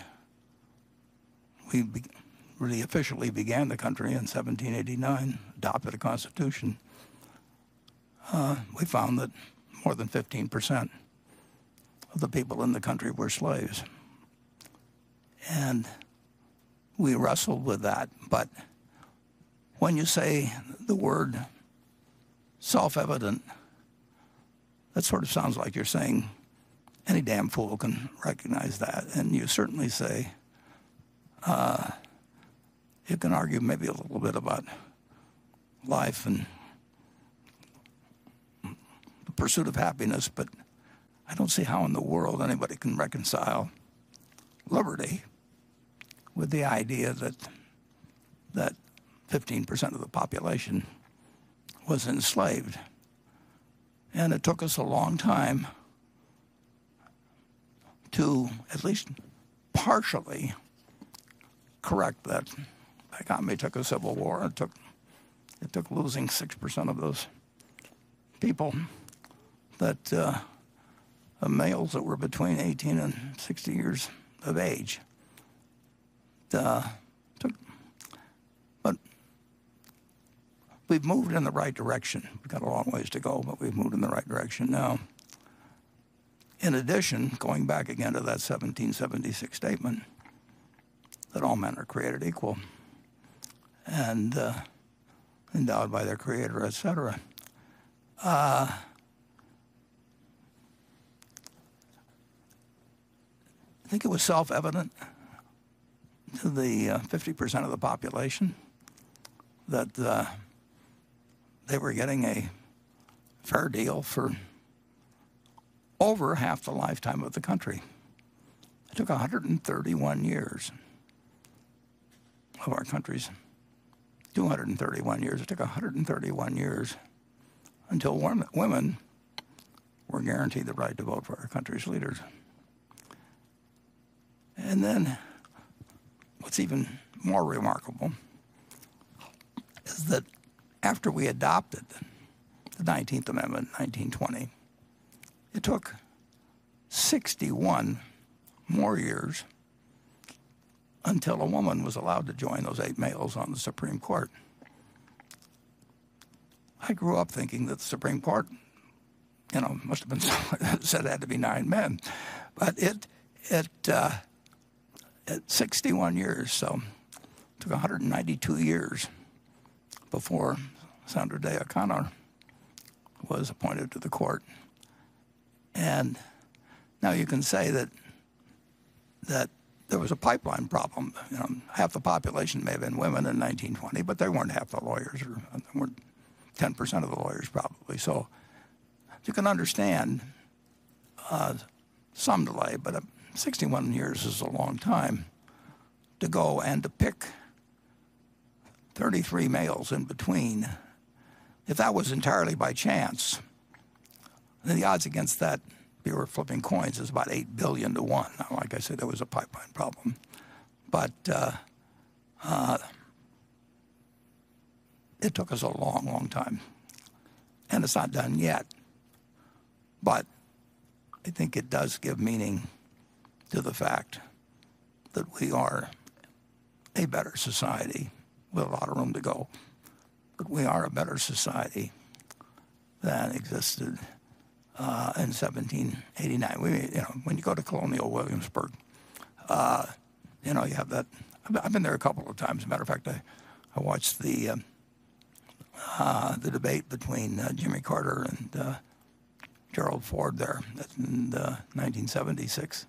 really officially began the country in 1789, adopted a Constitution, we found that more than 15% of the people in the country were slaves. We wrestled with that. When you say the word self-evident, that sort of sounds like you're saying any damn fool can recognize that. You certainly say, you can argue maybe a little bit about life and pursuit of happiness, but I don't see how in the world anybody can reconcile liberty with the idea that 15% of the population was enslaved. It took us a long time to at least partially correct that economy. It took a Civil War, and it took losing 6% of those people, the males that were between 18 and 60 years of age. We've moved in the right direction. We've got a long ways to go, but we've moved in the right direction now. In addition, going back again to that 1776 statement that all men are created equal and endowed by their creator, et cetera. I think it was self-evident to the 50% of the population that they were getting a fair deal for over half the lifetime of the country. It took 131 years of our country's 231 years. It took 131 years until women were guaranteed the right to vote for our country's leaders. What's even more remarkable is that after we adopted the 19th Amendment in 1920, it took 61 more years until a woman was allowed to join those eight males on the Supreme Court. I grew up thinking that the Supreme Court must have been set had to be nine men. At 61 years, so it took 192 years before Sandra Day O'Connor was appointed to the court. Now you can say that there was a pipeline problem. Half the population may have been women in 1920, but they weren't half the lawyers or weren't 10% of the lawyers probably. You can understand some delay, but 61 years is a long time to go and to pick 33 males in between. If that was entirely by chance, then the odds against that, if you were flipping coins, is about 8 billion to one. Now, like I said, there was a pipeline problem. It took us a long, long time, and it's not done yet. I think it does give meaning to the fact that we are a better society. We have a lot of room to go. We are a better society than existed in 1789. When you go to Colonial Williamsburg, you have that. I've been there a couple of times. Matter of fact, I watched the debate between Jimmy Carter and Gerald Ford there in 1976.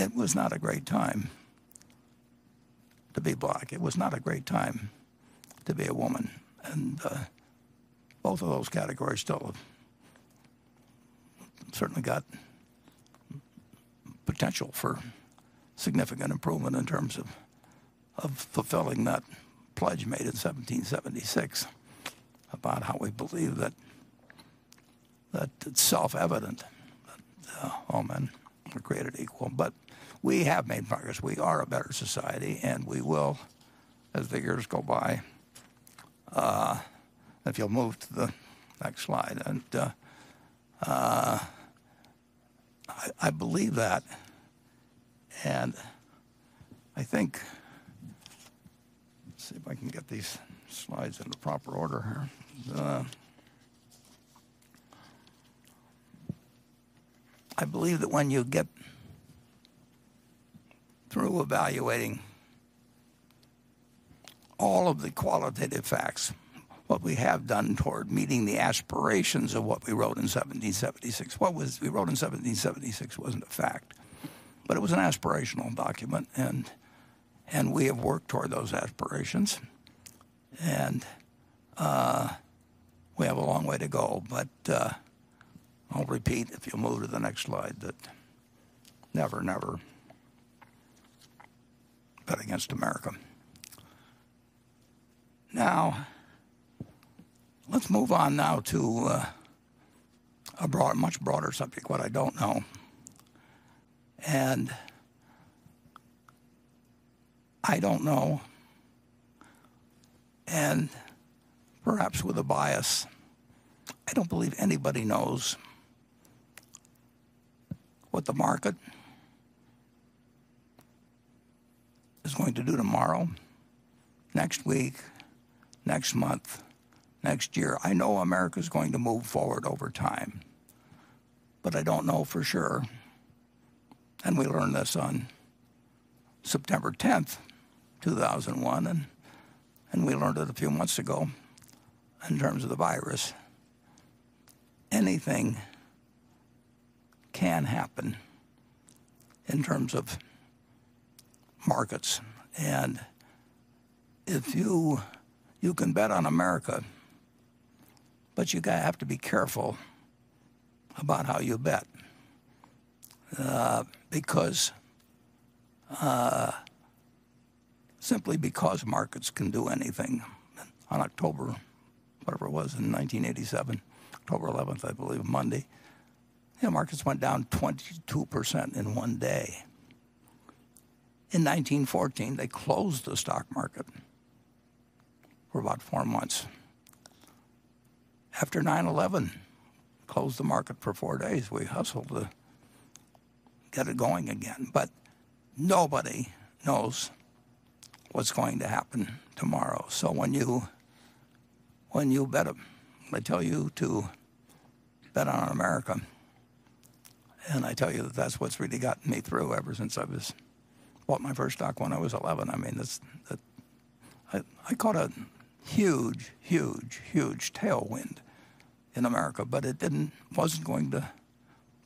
It was not a great time to be Black. It was not a great time to be a woman. Both of those categories still have certainly got potential for significant improvement in terms of fulfilling that pledge made in 1776 about how we believe that it's self-evident that all men are created equal. We have made progress. We are a better society. We will as the years go by. If you'll move to the next slide. I believe that. I think Let's see if I can get these slides in the proper order here. I believe that when you get through evaluating all of the qualitative facts, what we have done toward meeting the aspirations of what we wrote in 1776, what we wrote in 1776 wasn't a fact, but it was an aspirational document, and we have worked toward those aspirations. We have a long way to go. I'll repeat, if you'll move to the next slide, that never bet against America. Let's move on now to a much broader subject, what I don't know. I don't know, and perhaps with a bias, I don't believe anybody knows what the market is going to do tomorrow, next week, next month, next year. I know America's going to move forward over time, but I don't know for sure. We learned this on September 10th, 2001, and we learned it a few months ago in terms of the virus. Anything can happen in terms of markets. You can bet on America, but you have to be careful about how you bet. Simply because markets can do anything. On October, whatever it was, in 1987, October 11th, I believe, a Monday, yeah, markets went down 22% in one day. In 1914, they closed the stock market for about four months. After 9/11, closed the market for four days. We hustled to get it going again. Nobody knows what's going to happen tomorrow. When you bet them, I tell you to bet on America, and I tell you that's what's really gotten me through ever since I bought my first stock when I was 11. I caught a huge, huge, huge tailwind in America, but it wasn't going to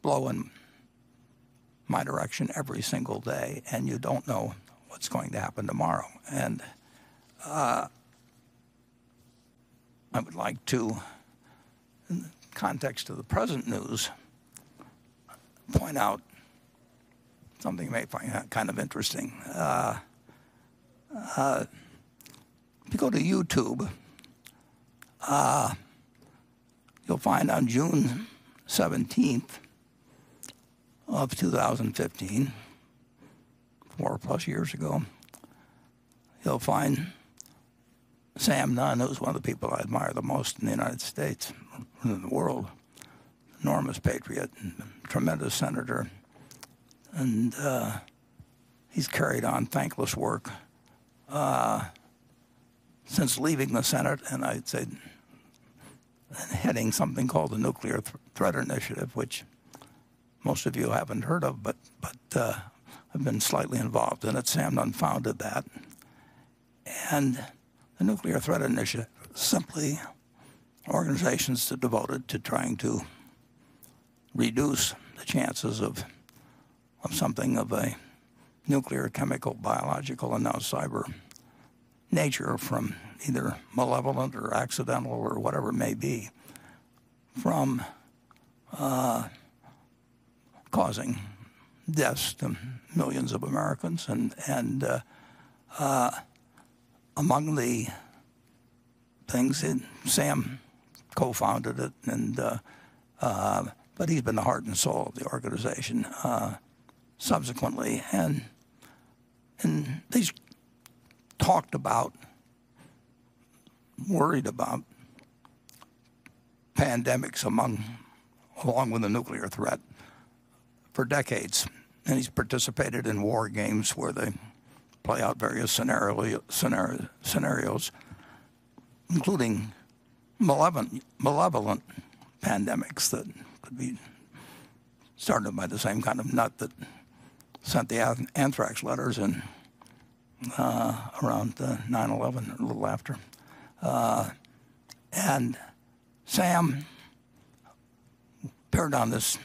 blow in my direction every single day, and you don't know what's going to happen tomorrow. I would like to, in context of the present news, point out something you may find kind of interesting. If you go to YouTube, you'll find on June 17th of 2015, 4+ years ago, you'll find Sam Nunn, who's one of the people I admire the most in the United States, in the world, enormous patriot and tremendous senator. He's carried on thankless work since leaving the Senate, and I'd say heading something called the Nuclear Threat Initiative, which most of you haven't heard of, but have been slightly involved in it. Sam Nunn founded that. The Nuclear Threat Initiative, simply organizations devoted to trying to reduce the chances of something of a nuclear, chemical, biological, and now cyber nature from either malevolent or accidental or whatever it may be, from causing deaths to millions of Americans. Among the things, Sam co-founded it, but he's been the heart and soul of the organization subsequently. He's talked about, worried about pandemics along with the nuclear threat for decades. He's participated in war games where they play out various scenarios, including malevolent pandemics that could be started by the same kind of nut that sent the anthrax letters in around 9/11, a little after. Sam appeared on this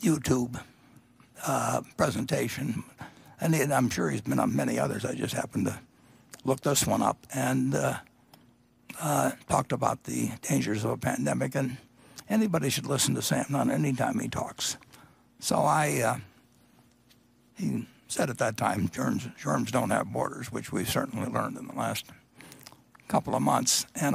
YouTube presentation, and I'm sure he's been on many others. I just happened to look this one up and talked about the dangers of a pandemic. Anybody should listen to Sam Nunn any time he talks. He said at that time, "Germs don't have borders," which we've certainly learned in the last couple of months. When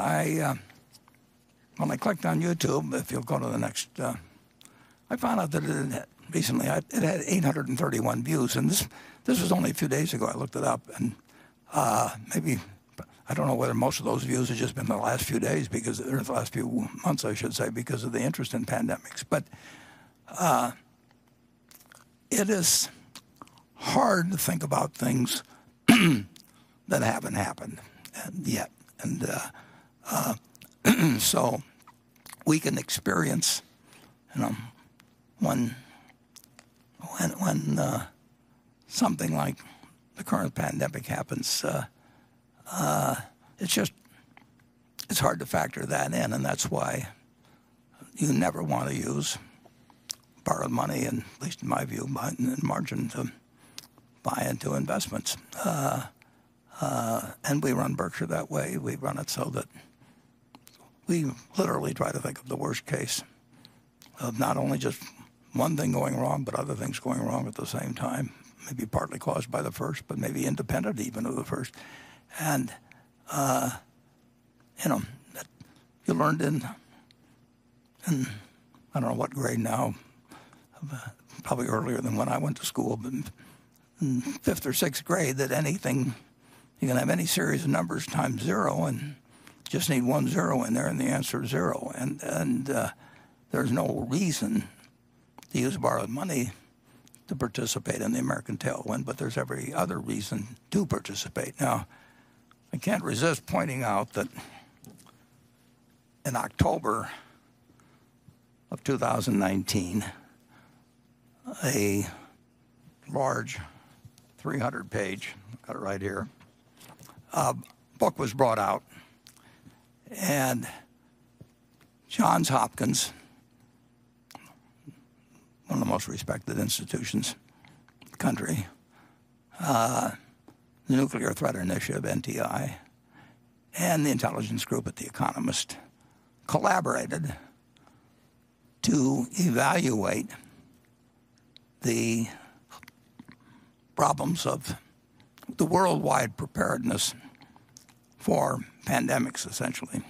I clicked on YouTube, if you'll go to the next, I found out that recently it had 831 views. This was only a few days ago. I looked it up, and I don't know whether most of those views have just been in the last few days because, or the last few months, I should say, because of the interest in pandemics. It is hard to think about things that haven't happened yet. We can experience when something like the current pandemic happens, it's hard to factor that in, and that's why you never want to use borrowed money, at least in my view, in margin to buy into investments. We run Berkshire that way. We run it so that we literally try to think of the worst case of not only just one thing going wrong, but other things going wrong at the same time, maybe partly caused by the first, but maybe independent even of the first. That you learned in, I don't know what grade now, probably earlier than when I went to school, but fifth or sixth grade, that you can have any series of numbers times zero and just need one zero in there and the answer is zero. There's no reason to use borrowed money to participate in the American tailwind, but there's every other reason to participate. I can't resist pointing out that in October of 2019, a large 300-page, I've got it right here, book was brought out and Johns Hopkins, one of the most respected institutions in the country, the Nuclear Threat Initiative, NTI, and the intelligence group at The Economist collaborated to evaluate the problems of the worldwide preparedness for pandemics, essentially.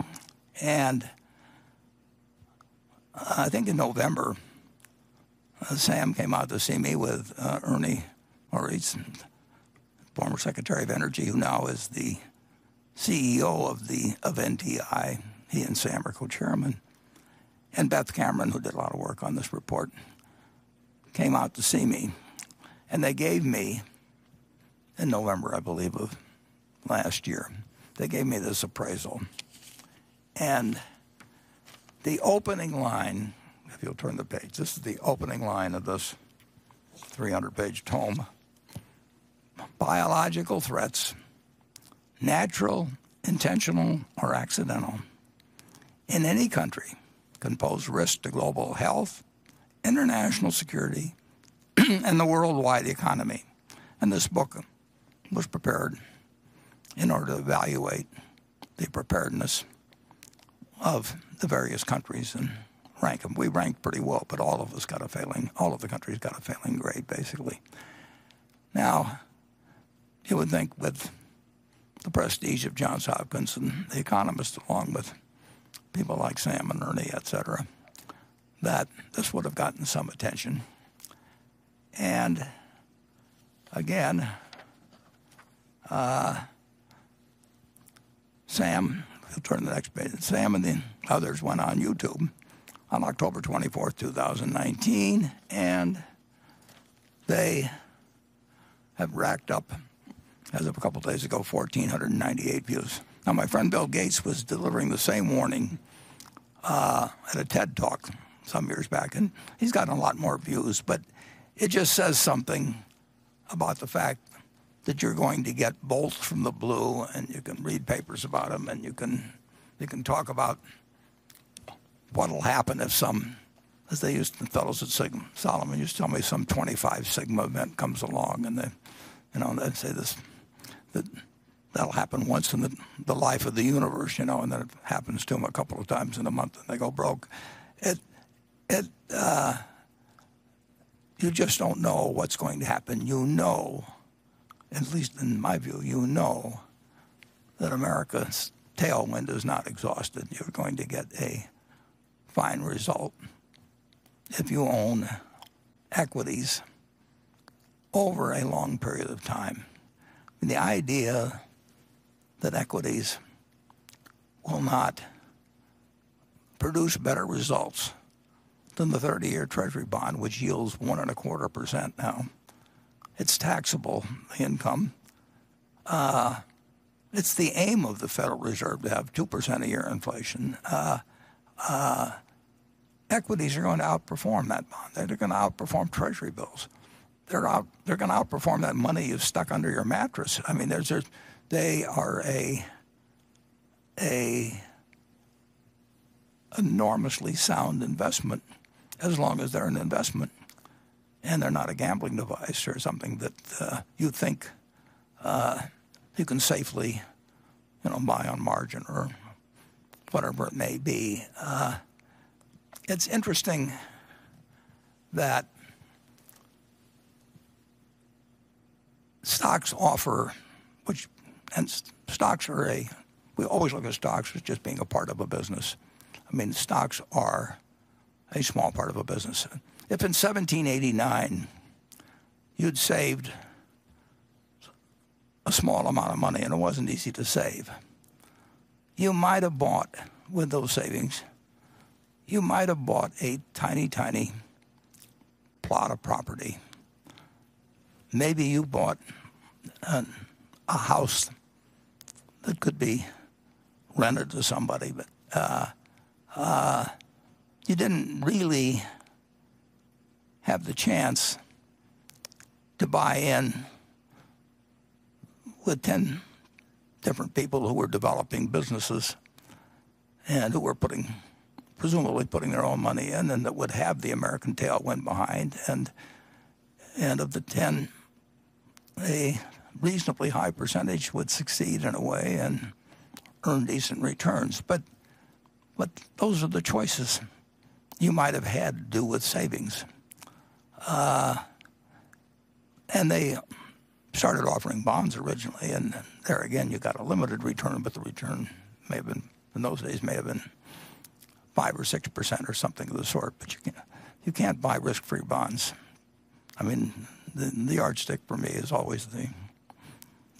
I think in November, Sam came out to see me with Ernie Moniz, former Secretary of Energy, who now is the CEO of NTI. He and Sam are co-chairman. Beth Cameron, who did a lot of work on this report, came out to see me. They gave me, in November, I believe, of last year, they gave me this appraisal. The opening line, if you'll turn the page, this is the opening line of this 300-page tome. Biological threats, natural, intentional, or accidental, in any country can pose risk to global health, international security, and the worldwide economy. This book was prepared in order to evaluate the preparedness of the various countries and rank them. We ranked pretty well, but all of the countries got a failing grade, basically. You would think with the prestige of Johns Hopkins and The Economist, along with people like Sam and Ernie, et cetera, that this would have gotten some attention. Again, Sam, if you'll turn to the next page, Sam and the others went on YouTube on October 24th, 2019, and they have racked up, as of a couple days ago, 1,498 views. My friend Bill Gates was delivering the same warning at a TED Talk some years back, and he's gotten a lot more views. It just says something about the fact that you're going to get bolts from the blue, and you can read papers about them, and you can talk about what'll happen if some, as the fellows at Salomon used to tell me, some 25 sigma event comes along, and they'd say that'll happen once in the life of the universe, and then it happens to them a couple of times in a month and they go broke. You just don't know what's going to happen. You know, at least in my view, you know that America's tailwind is not exhausted. You're going to get a fine result if you own equities over a long period of time. The idea that equities will not produce better results than the 30-year Treasury bond, which yields 1.25% Now. It's taxable income. It's the aim of the Federal Reserve to have 2% a year inflation. Equities are going to outperform that bond. They're going to outperform Treasury bills. They're going to outperform that money you've stuck under your mattress. They are a enormously sound investment as long as they're an investment and they're not a gambling device or something that you think you can safely buy on margin or whatever it may be. It's interesting that stocks offer, we always look at stocks as just being a part of a business. Stocks are a small part of a business. If in 1789 you'd saved a small amount of money, it wasn't easy to save, you might have bought, with those savings, you might have bought a tiny plot of property. Maybe you bought a house that could be rented to somebody. You didn't really have the chance to buy in with 10 different people who were developing businesses and who were presumably putting their own money in and that would have the American tailwind behind. Of the 10, a reasonably high percentage would succeed in a way and earn decent returns. Those are the choices you might have had to do with savings. They started offering bonds originally, and there again, you got a limited return, but the return in those days may have been 5% or 6% or something of the sort. You can't buy risk-free bonds. The yardstick for me is always the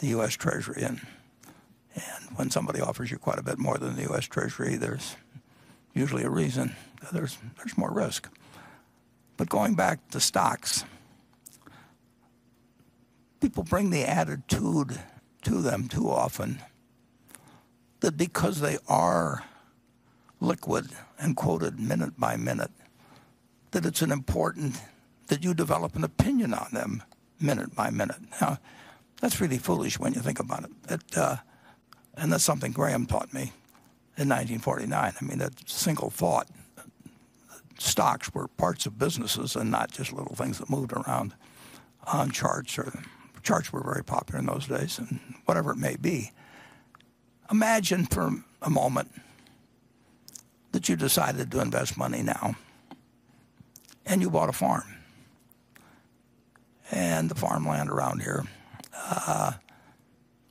U.S. Treasury. When somebody offers you quite a bit more than the U.S. Treasury, there's usually a reason. There's more risk. Going back to stocks, people bring the attitude to them too often that because they are liquid and quoted minute by minute, that you develop an opinion on them minute by minute. That's really foolish when you think about it. That's something Graham taught me in 1949. That single thought, stocks were parts of businesses and not just little things that moved around on charts. Charts were very popular in those days and whatever it may be. Imagine for a moment that you decided to invest money now, and you bought a farm. The farmland around here,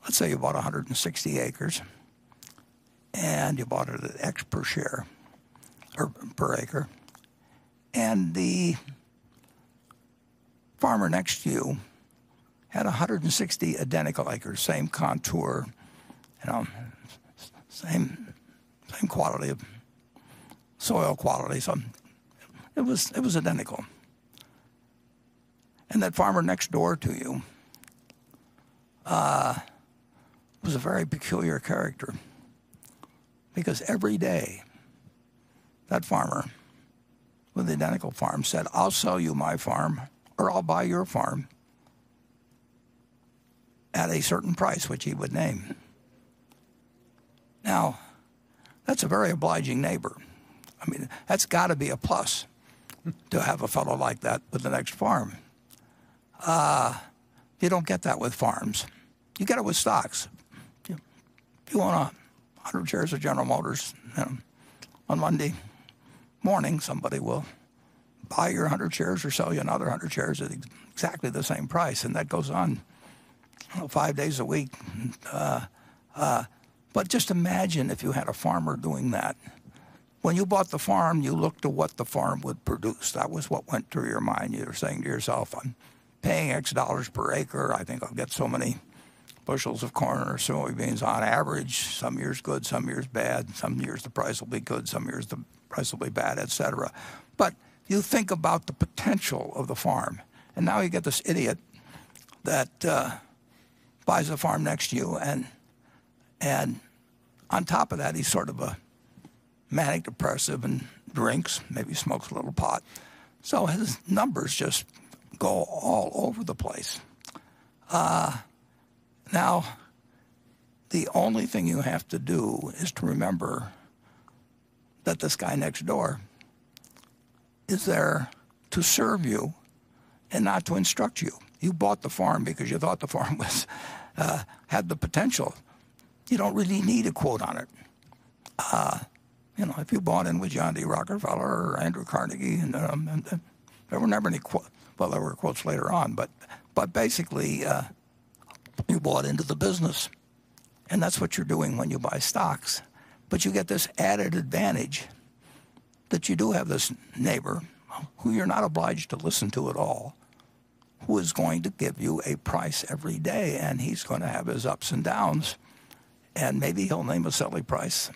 let's say you bought 160 acres, and you bought it at X per share or per acre. The farmer next to you had 160 identical acres, same contour, same soil quality. It was identical. That farmer next door to you was a very peculiar character because every day that farmer with the identical farm said, "I'll sell you my farm, or I'll buy your farm at a certain price," which he would name. That's a very obliging neighbor. That's got to be a plus to have a fellow like that with the next farm. You don't get that with farms. You get it with stocks. If you want 100 shares of General Motors on Monday morning, somebody will buy your 100 shares or sell you another 100 shares at exactly the same price, and that goes on five days a week. Just imagine if you had a farmer doing that. When you bought the farm, you looked to what the farm would produce. That was what went through your mind. You're saying to yourself, "I'm paying X dollars per acre. I think I'll get so many bushels of corn or soybean." On average, some years good, some years bad, and some years the price will be good, some years the price will be bad, et cetera. You think about the potential of the farm. Now you get this idiot that buys a farm next to you, and on top of that, he's sort of a manic depressive and drinks, maybe smokes a little pot. His numbers just go all over the place. Now, the only thing you have to do is to remember that this guy next door is there to serve you and not to instruct you. You bought the farm because you thought the farm had the potential. You don't really need a quote on it. If you bought in with John D. Rockefeller or Andrew Carnegie, there were never any quotes. Well, there were quotes later on, but basically, you bought into the business, and that's what you're doing when you buy stocks. You get this added advantage that you do have this neighbor who you're not obliged to listen to at all, who is going to give you a price every day, and he's going to have his ups and downs, and maybe he'll name a selling price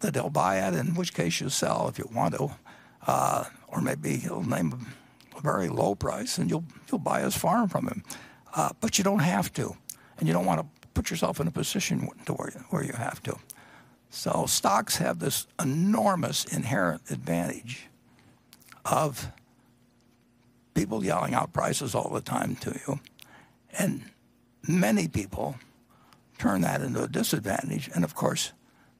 that he'll buy at, in which case you sell if you want to. Maybe he'll name a very low price, and you'll buy his farm from him. You don't have to, and you don't want to put yourself in a position where you have to. Stocks have this enormous inherent advantage of people yelling out prices all the time to you. Many people turn that into a disadvantage. Of course,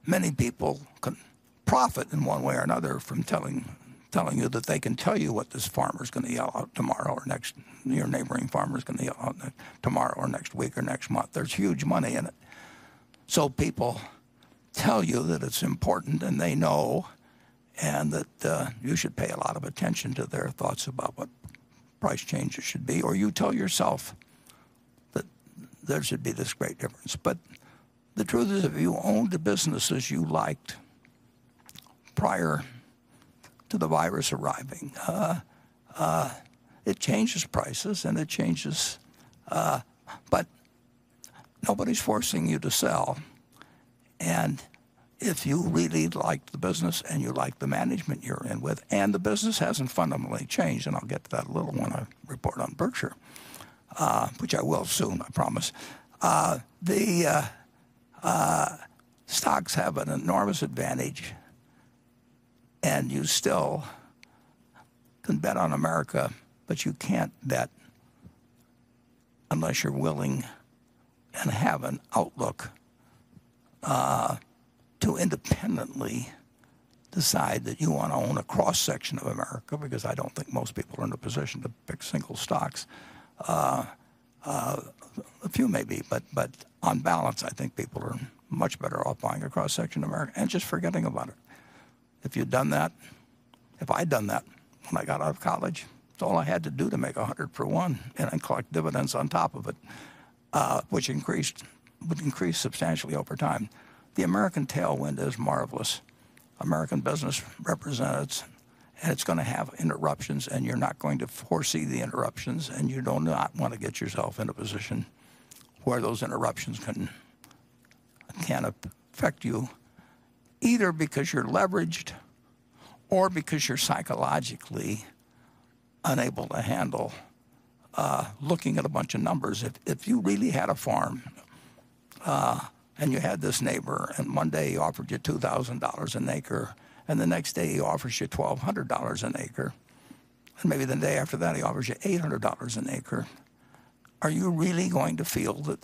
many people can profit in one way or another from telling you that they can tell you what this farmer is going to yell out tomorrow or next neighboring farmer is going to yell out tomorrow or next week or next month. There's huge money in it. People tell you that it's important and they know, and that you should pay a lot of attention to their thoughts about what price changes should be, or you tell yourself that there should be this great difference. The truth is, if you owned the businesses you liked prior to the virus arriving, it changes prices. Nobody's forcing you to sell. If you really like the business and you like the management you're in with, and the business hasn't fundamentally changed, I'll get to that little one, a report on Berkshire, which I will soon, I promise. The stocks have an enormous advantage, you still can bet on America, but you can't bet unless you're willing and have an outlook to independently decide that you want to own a cross-section of America because I don't think most people are in a position to pick single stocks. A few maybe, on balance, I think people are much better off buying a cross-section of America and just forgetting about it. If you'd done that, if I'd done that when I got out of college, that's all I had to do to make 100 for one and then collect dividends on top of it which increased substantially over time. The American tailwind is marvelous. American business represents it's going to have interruptions. You're not going to foresee the interruptions. You do not want to get yourself in a position where those interruptions can affect you, either because you're leveraged or because you're psychologically unable to handle looking at a bunch of numbers. If you really had a farm, you had this neighbor, one day he offered you $2,000 an acre, the next day he offers you $1,200 an acre, maybe the day after that, he offers you $800 an acre, are you really going to feel that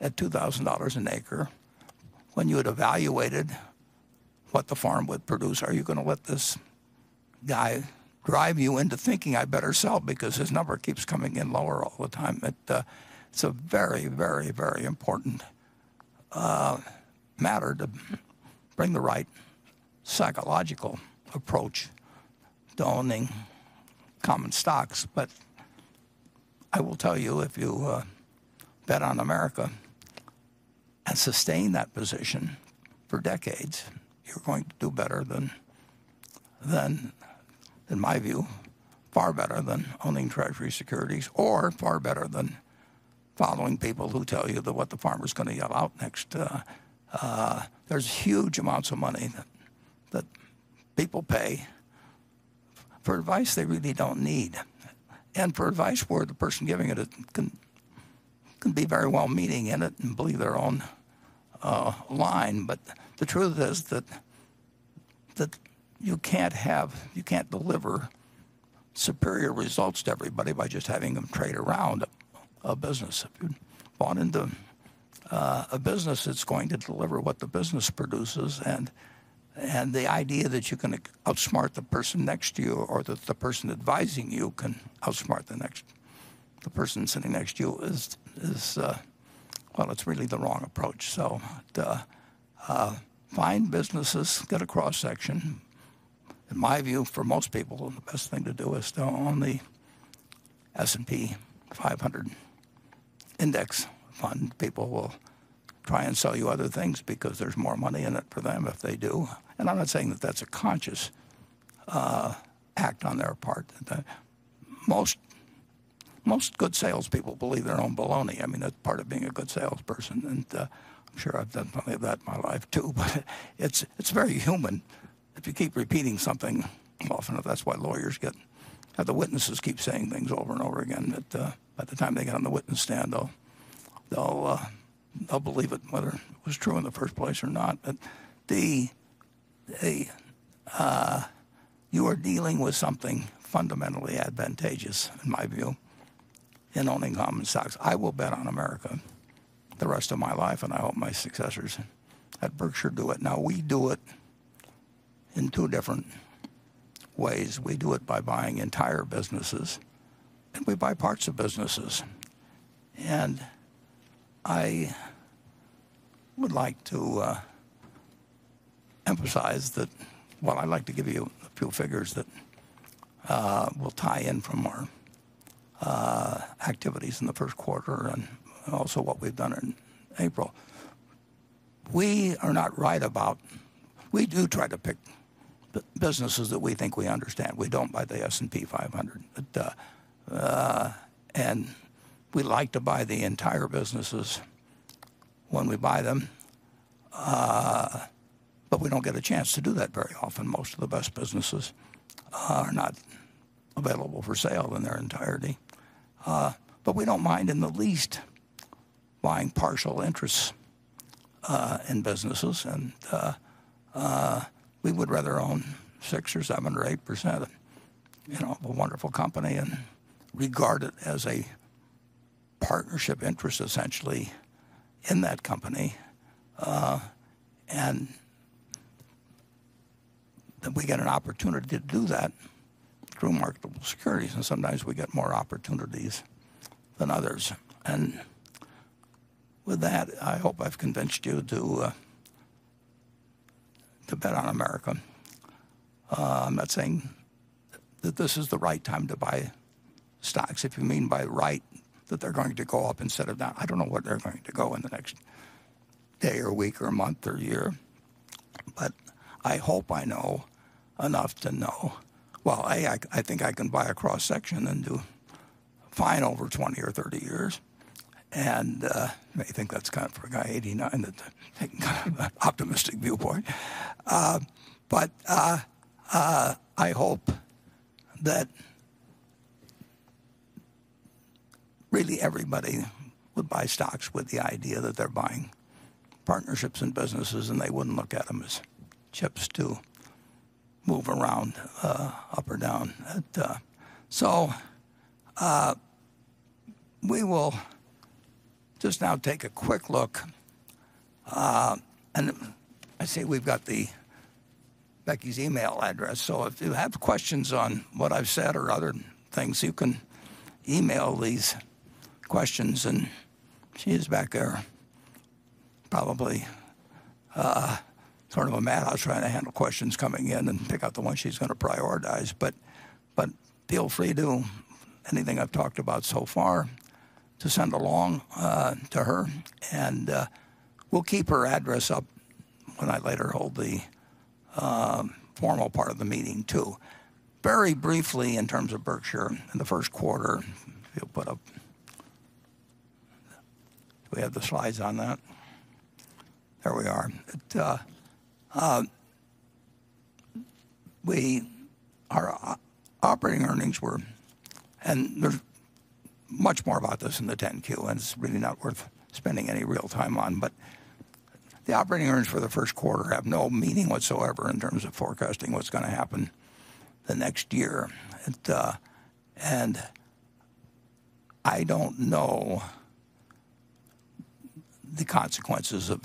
at $2,000 an acre, when you had evaluated what the farm would produce, are you going to let this guy drive you into thinking, "I better sell because his number keeps coming in lower all the time?" It's a very important matter to bring the right psychological approach to owning common stocks. I will tell you, if you bet on America and sustain that position for decades, you're going to do better than, in my view, far better than owning Treasury securities or far better than following people who tell you what the farmer's going to yell out next. There's huge amounts of money that people pay for advice they really don't need, and for advice where the person giving it can be very well-meaning in it and believe their own line. The truth is that you can't deliver superior results to everybody by just having them trade around a business. If you bought into a business, it's going to deliver what the business produces, and the idea that you can outsmart the person next to you or that the person advising you can outsmart the person sitting next to you is really the wrong approach. Find businesses, get a cross-section. In my view, for most people, the best thing to do is to own the S&P 500 index fund. People will try and sell you other things because there's more money in it for them if they do. I'm not saying that that's a conscious act on their part. Most good salespeople believe their own baloney. That's part of being a good salesperson, and I'm sure I've done plenty of that in my life, too, but it's very human if you keep repeating something often enough. That's why lawyers have the witnesses keep saying things over and over again that by the time they get on the witness stand, they'll believe it, whether it was true in the first place or not. You are dealing with something fundamentally advantageous, in my view, in owning common stocks. I will bet on America the rest of my life, and I hope my successors at Berkshire do it. Now, we do it in two different ways. We do it by buying entire businesses, and we buy parts of businesses. I would like to emphasize that. Well, I'd like to give you a few figures that will tie in from our activities in the first quarter, and also what we've done in April. We do try to pick the businesses that we think we understand. We don't buy the S&P 500. We like to buy the entire businesses when we buy them. We don't get a chance to do that very often. Most of the best businesses are not available for sale in their entirety. We don't mind in the least buying partial interests in businesses. We would rather own 6% or 7% or 8% of a wonderful company and regard it as a partnership interest, essentially, in that company. We get an opportunity to do that through marketable securities, and sometimes we get more opportunities than others. With that, I hope I've convinced you to bet on America. I'm not saying that this is the right time to buy stocks. If you mean by right that they're going to go up instead of down, I don't know where they're going to go in the next day or week or month or year. I hope I know enough to know. Well, I think I can buy a cross-section and do fine over 20 or 30 years. You may think that's for a guy 89, taking kind of an optimistic viewpoint. I hope that really everybody would buy stocks with the idea that they're buying partnerships and businesses, and they wouldn't look at them as chips to move around up or down. We will just now take a quick look, and I see we've got Becky's email address, so if you have questions on what I've said or other things, you can email these questions, and she is back there probably sort of a madhouse trying to handle questions coming in and pick out the ones she's going to prioritize. Feel free to, anything I've talked about so far, to send along to her. We'll keep her address up when I later hold the formal part of the meeting, too. Very briefly, in terms of Berkshire in the first quarter, if you'll put up. Do we have the slides on that? There we are. Our operating earnings were, there's much more about this in the 10-Q, it's really not worth spending any real time on, the operating earnings for the first quarter have no meaning whatsoever in terms of forecasting what's going to happen the next year. I don't know the consequences of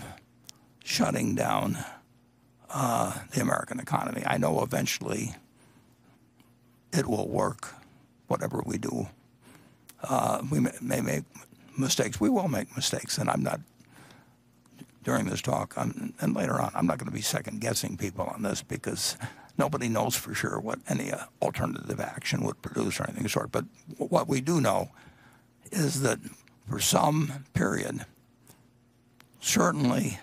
shutting down the American economy. I know eventually it will work, whatever we do. We may make mistakes. We will make mistakes, I'm not, during this talk and later on, I'm not going to be second-guessing people on this because nobody knows for sure what any alternative action would produce or anything of the sort. What we do know is that for some period, certainly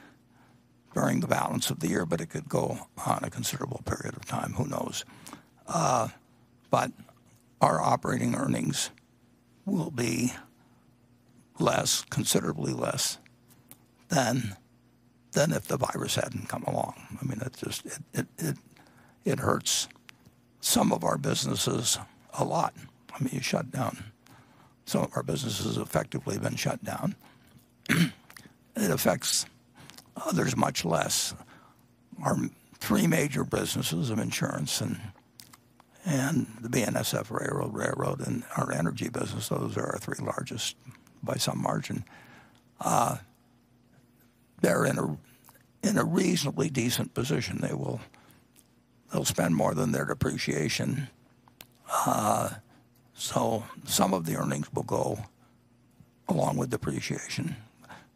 during the balance of the year, it could go on a considerable period of time, who knows, our operating earnings will be less, considerably less than if the virus hadn't come along. It hurts some of our businesses a lot. Some of our businesses effectively have been shut down. It affects others much less. Our three major businesses of insurance and the BNSF Railroad, and our energy business, those are our three largest by some margin. They're in a reasonably decent position. They'll spend more than their depreciation. Some of the earnings will go, along with depreciation,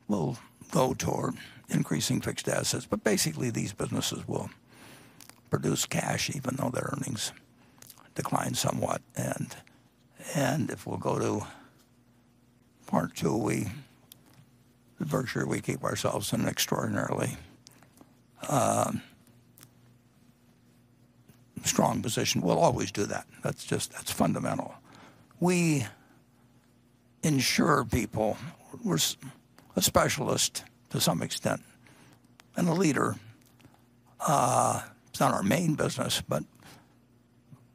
will go toward increasing fixed assets. Basically, these businesses will produce cash even though their earnings decline somewhat. If we'll go to part two, at Berkshire, we keep ourselves in an extraordinarily strong position. We'll always do that. That's fundamental. We insure people. We're a specialist to some extent, and a leader. It's not our main business, but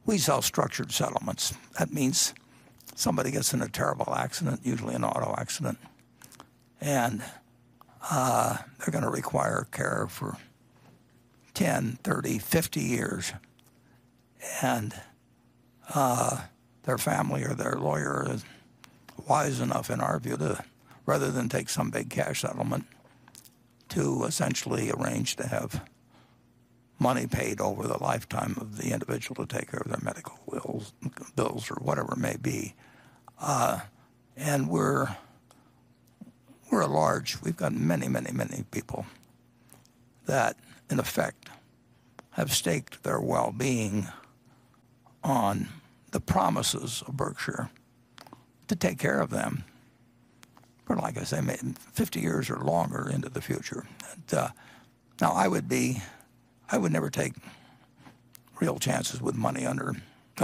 we sell structured settlements. That means somebody gets in a terrible accident, usually an auto accident, and they're going to require care for 10, 30, 50 years. Their family or their lawyer is wise enough, in our view, rather than take some big cash settlement, to essentially arrange to have money paid over the lifetime of the individual to take care of their medical bills or whatever it may be. We're large. We've got many people that, in effect, have staked their well-being on the promises of Berkshire to take care of them for, like I say, 50 years or longer into the future. Now, I would never take real chances with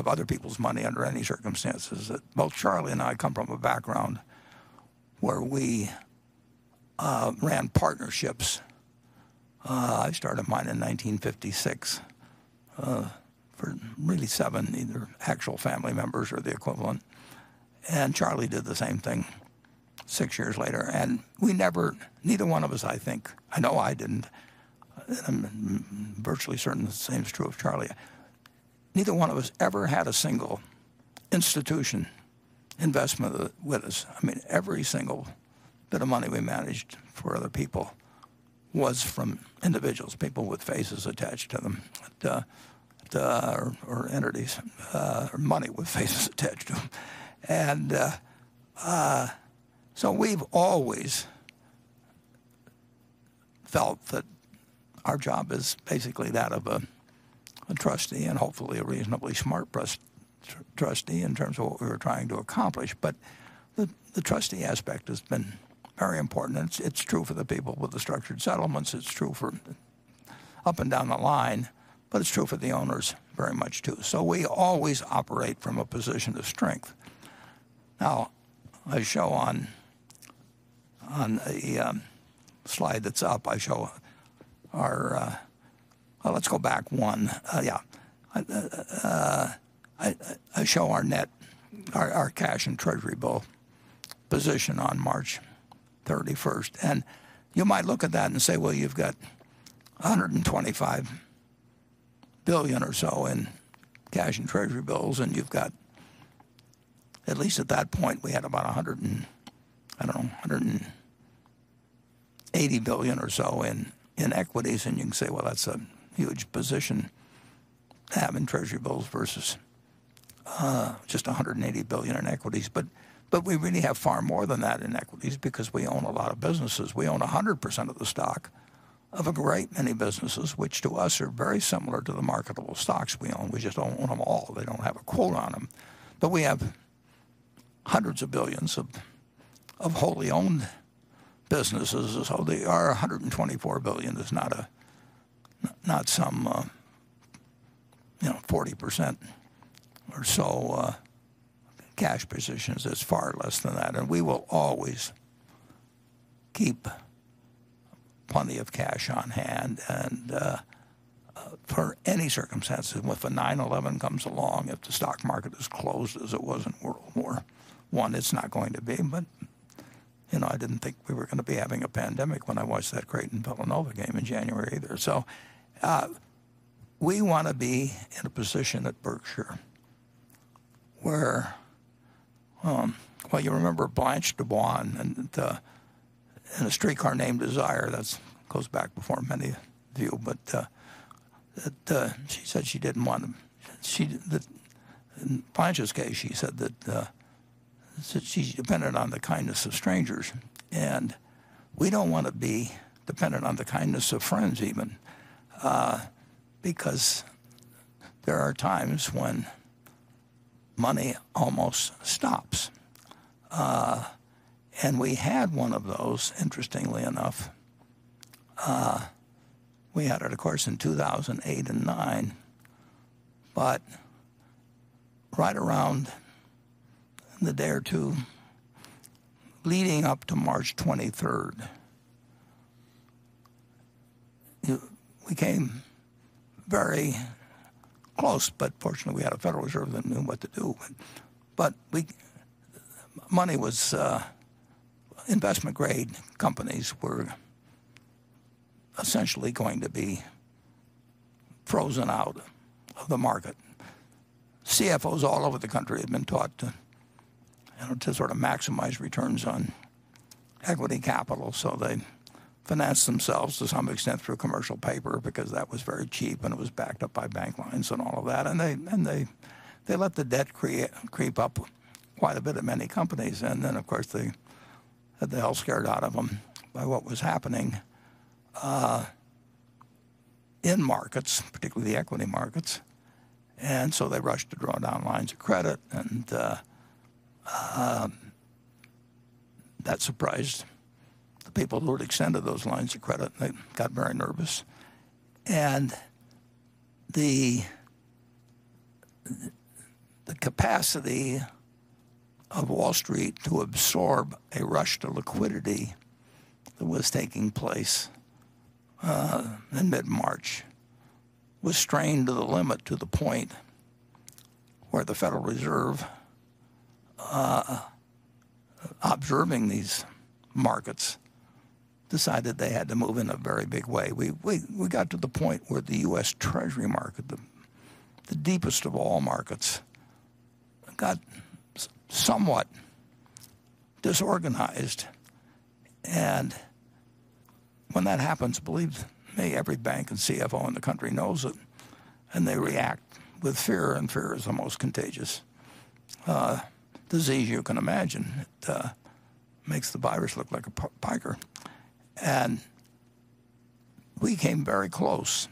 other people's money under any circumstances. Both Charlie and I come from a background where we ran partnerships. I started mine in 1956, for really seven, either actual family members or the equivalent, and Charlie did the same thing six years later. We never, neither one of us, I think, I know I didn't, and I'm virtually certain the same is true of Charlie, neither one of us ever had a single institution investment with us. Every single bit of money we managed for other people was from individuals, people with faces attached to them, or entities, or money with faces attached to them. We've always felt that our job is basically that of a trustee, and hopefully a reasonably smart trustee in terms of what we were trying to accomplish. The trustee aspect has been very important, and it's true for the people with the structured settlements. It's true for up and down the line, but it's true for the owners very much, too. We always operate from a position of strength. Now, I show on the slide that's up, I show our Well, let's go back one. Yeah. I show our net, our cash and Treasury bill position on March 31st, and you might look at that and say, "Well, you've got $125 billion or so in cash and Treasury bills, and you've got, at least at that point, we had about $180 billion or so in equities." You can say, "Well, that's a huge position to have in Treasury bills versus just $180 billion in equities." We really have far more than that in equities because we own a lot of businesses. We own 100% of the stock of a great many businesses, which to us are very similar to the marketable stocks we own. We just don't own them all. They don't have a quote on them. We have hundreds of billions of wholly owned businesses, and so our $124 billion is not some 40% or so cash positions. It's far less than that. We will always keep plenty of cash on hand and for any circumstances, if a 9/11 comes along, if the stock market is closed as it was in World War I, it's not going to be, but I didn't think we were going to be having a pandemic when I watched that Creighton-Villanova game in January either. We want to be in a position at Berkshire where, well, you remember Blanche DuBois in "A Streetcar Named Desire." That goes back before many of you, but she said she's dependent on the kindness of strangers. We don't want to be dependent on the kindness of friends even, because there are times when money almost stops. We had one of those, interestingly enough. We had it, of course, in 2008 and 2009. Right around the day or two leading up to March 23rd, we came very close, but fortunately, we had a Federal Reserve that knew what to do. Investment-grade companies were essentially going to be frozen out of the market. CFOs all over the country had been taught to maximize returns on equity capital, so they financed themselves to some extent through commercial paper because that was very cheap, and it was backed up by bank lines and all of that. They let the debt creep up quite a bit at many companies. Then, of course, they had the hell scared out of them by what was happening in markets, particularly the equity markets. So they rushed to draw down lines of credit, and that surprised the people who had extended those lines of credit, and they got very nervous. The capacity of Wall Street to absorb a rush to liquidity that was taking place in mid-March was strained to the limit to the point where the Federal Reserve observing these markets decided they had to move in a very big way. We got to the point where the U.S. Treasury market, the deepest of all markets, got somewhat disorganized. When that happens, believe me, every bank and CFO in the country knows it, and they react with fear. Fear is the most contagious disease you can imagine. It makes the virus look like a piker. We came very close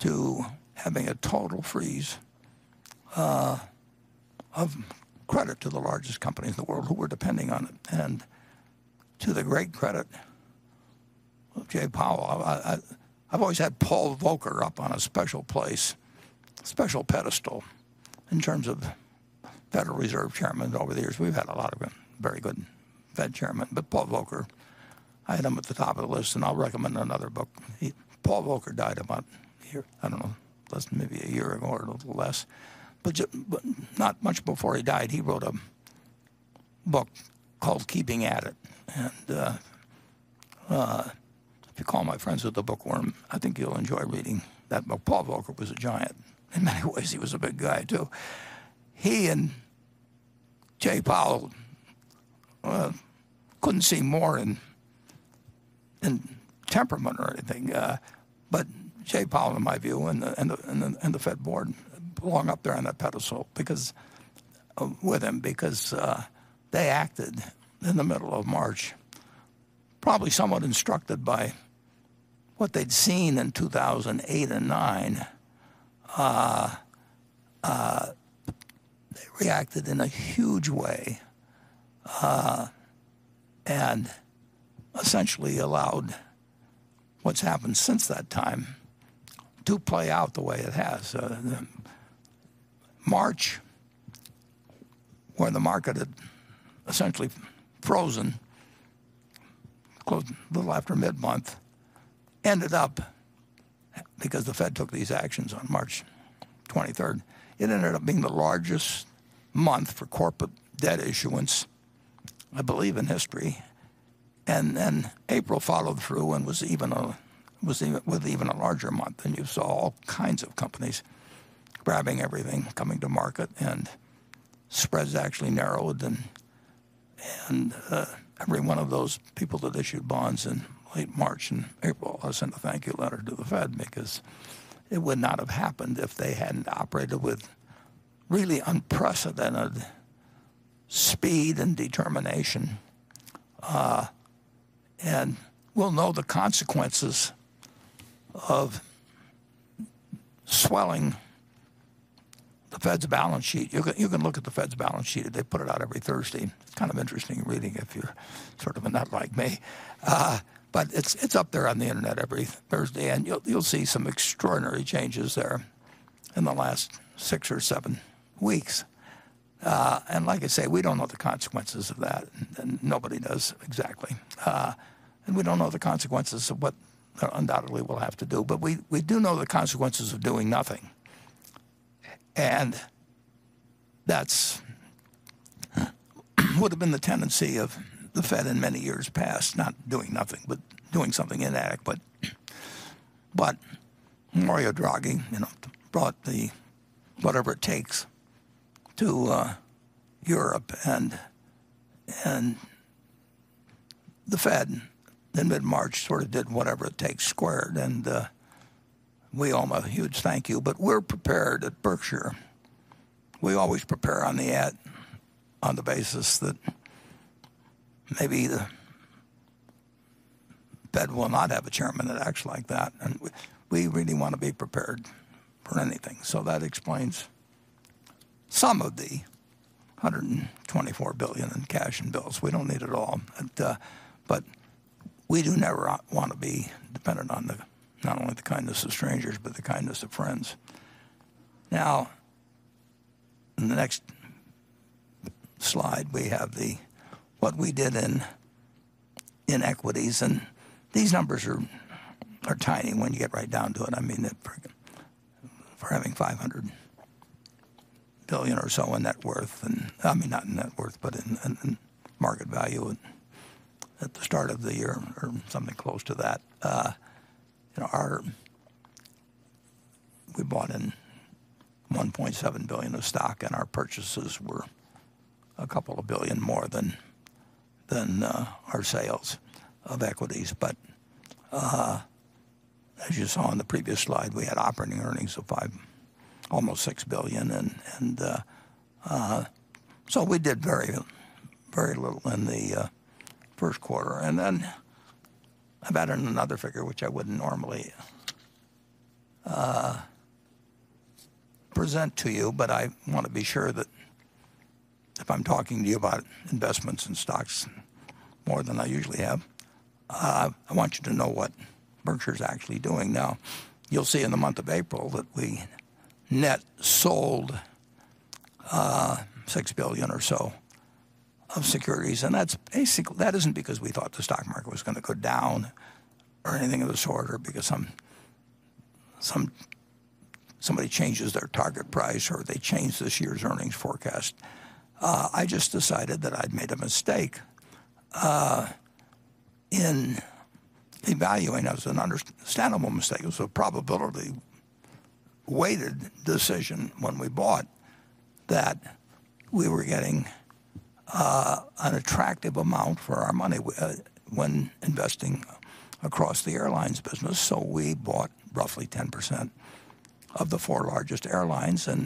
to having a total freeze of credit to the largest companies in the world who were depending on it. To the great credit of Jay Powell, I've always had Paul Volcker up on a special place, special pedestal in terms of Federal Reserve Chairmen over the years. We've had a lot of very good Fed Chairmen, but Paul Volcker, I had him at the top of the list. I'll recommend another book. Paul Volcker died about, I don't know, less than maybe a year ago or a little less. Not much before he died, he wrote a book called "Keeping at It." If you call my friends at The Bookworm, I think you'll enjoy reading that book. Paul Volcker was a giant. In many ways, he was a big guy, too. He and Jay Powell couldn't seem more in temperament or anything. Jay Powell, in my view, and the Fed Board belong up there on that pedestal with him because they acted in the middle of March, probably somewhat instructed by what they'd seen in 2008 and 2009. They reacted in a huge way, and essentially allowed what's happened since that time to play out the way it has. March, when the market had essentially frozen, closed a little after mid-month, ended up, because the Fed took these actions on March 23rd, it ended up being the largest month for corporate debt issuance I believe in history. Then April followed through and was even a larger month, and you saw all kinds of companies grabbing everything, coming to market, and spreads actually narrowed. Every one of those people that issued bonds in late March and April will send a thank you letter to the Fed because it would not have happened if they hadn't operated with really unprecedented speed and determination. We'll know the consequences of swelling the Fed's balance sheet. You can look at the Fed's balance sheet. They put it out every Thursday. It's kind of interesting reading if you're sort of a nut like me. It's up there on the internet every Thursday, and you'll see some extraordinary changes there in the last six or seven weeks. Like I say, we don't know the consequences of that. Nobody knows exactly. We don't know the consequences of what undoubtedly we'll have to do. We do know the consequences of doing nothing, and that would have been the tendency of the Fed in many years past, not doing nothing, but doing something inadequate. Mario Draghi brought the whatever it takes to Europe, and the Fed in mid-March sort of did whatever it takes squared. We owe him a huge thank you. We're prepared at Berkshire. We always prepare on the basis that maybe the Fed will not have a Chairman that acts like that, and we really want to be prepared for anything. That explains some of the $124 billion in cash and bills. We don't need it all. We do never want to be dependent on not only the kindness of strangers but the kindness of friends. In the next slide, we have what we did in equities, and these numbers are tiny when you get right down to it. I mean, for having $500 billion or so in market value at the start of the year, or something close to that. We bought in $1.7 billion of stock, and our purchases were $couple of billion more than our sales of equities. As you saw on the previous slide, we had operating earnings of almost $6 billion, and so we did very little in the first quarter. I've added another figure, which I wouldn't normally present to you, but I want to be sure that if I'm talking to you about investments and stocks more than I usually have, I want you to know what Berkshire's actually doing. You'll see in the month of April that we net sold $6 billion or so of securities. That isn't because we thought the stock market was going to go down or anything of the sort, or because somebody changes their target price, or they change this year's earnings forecast. I just decided that I'd made a mistake in evaluating. It was an understandable mistake. It was a probability-weighted decision when we bought that we were getting an attractive amount for our money when investing across the airlines business. We bought roughly 10% of the four largest airlines. This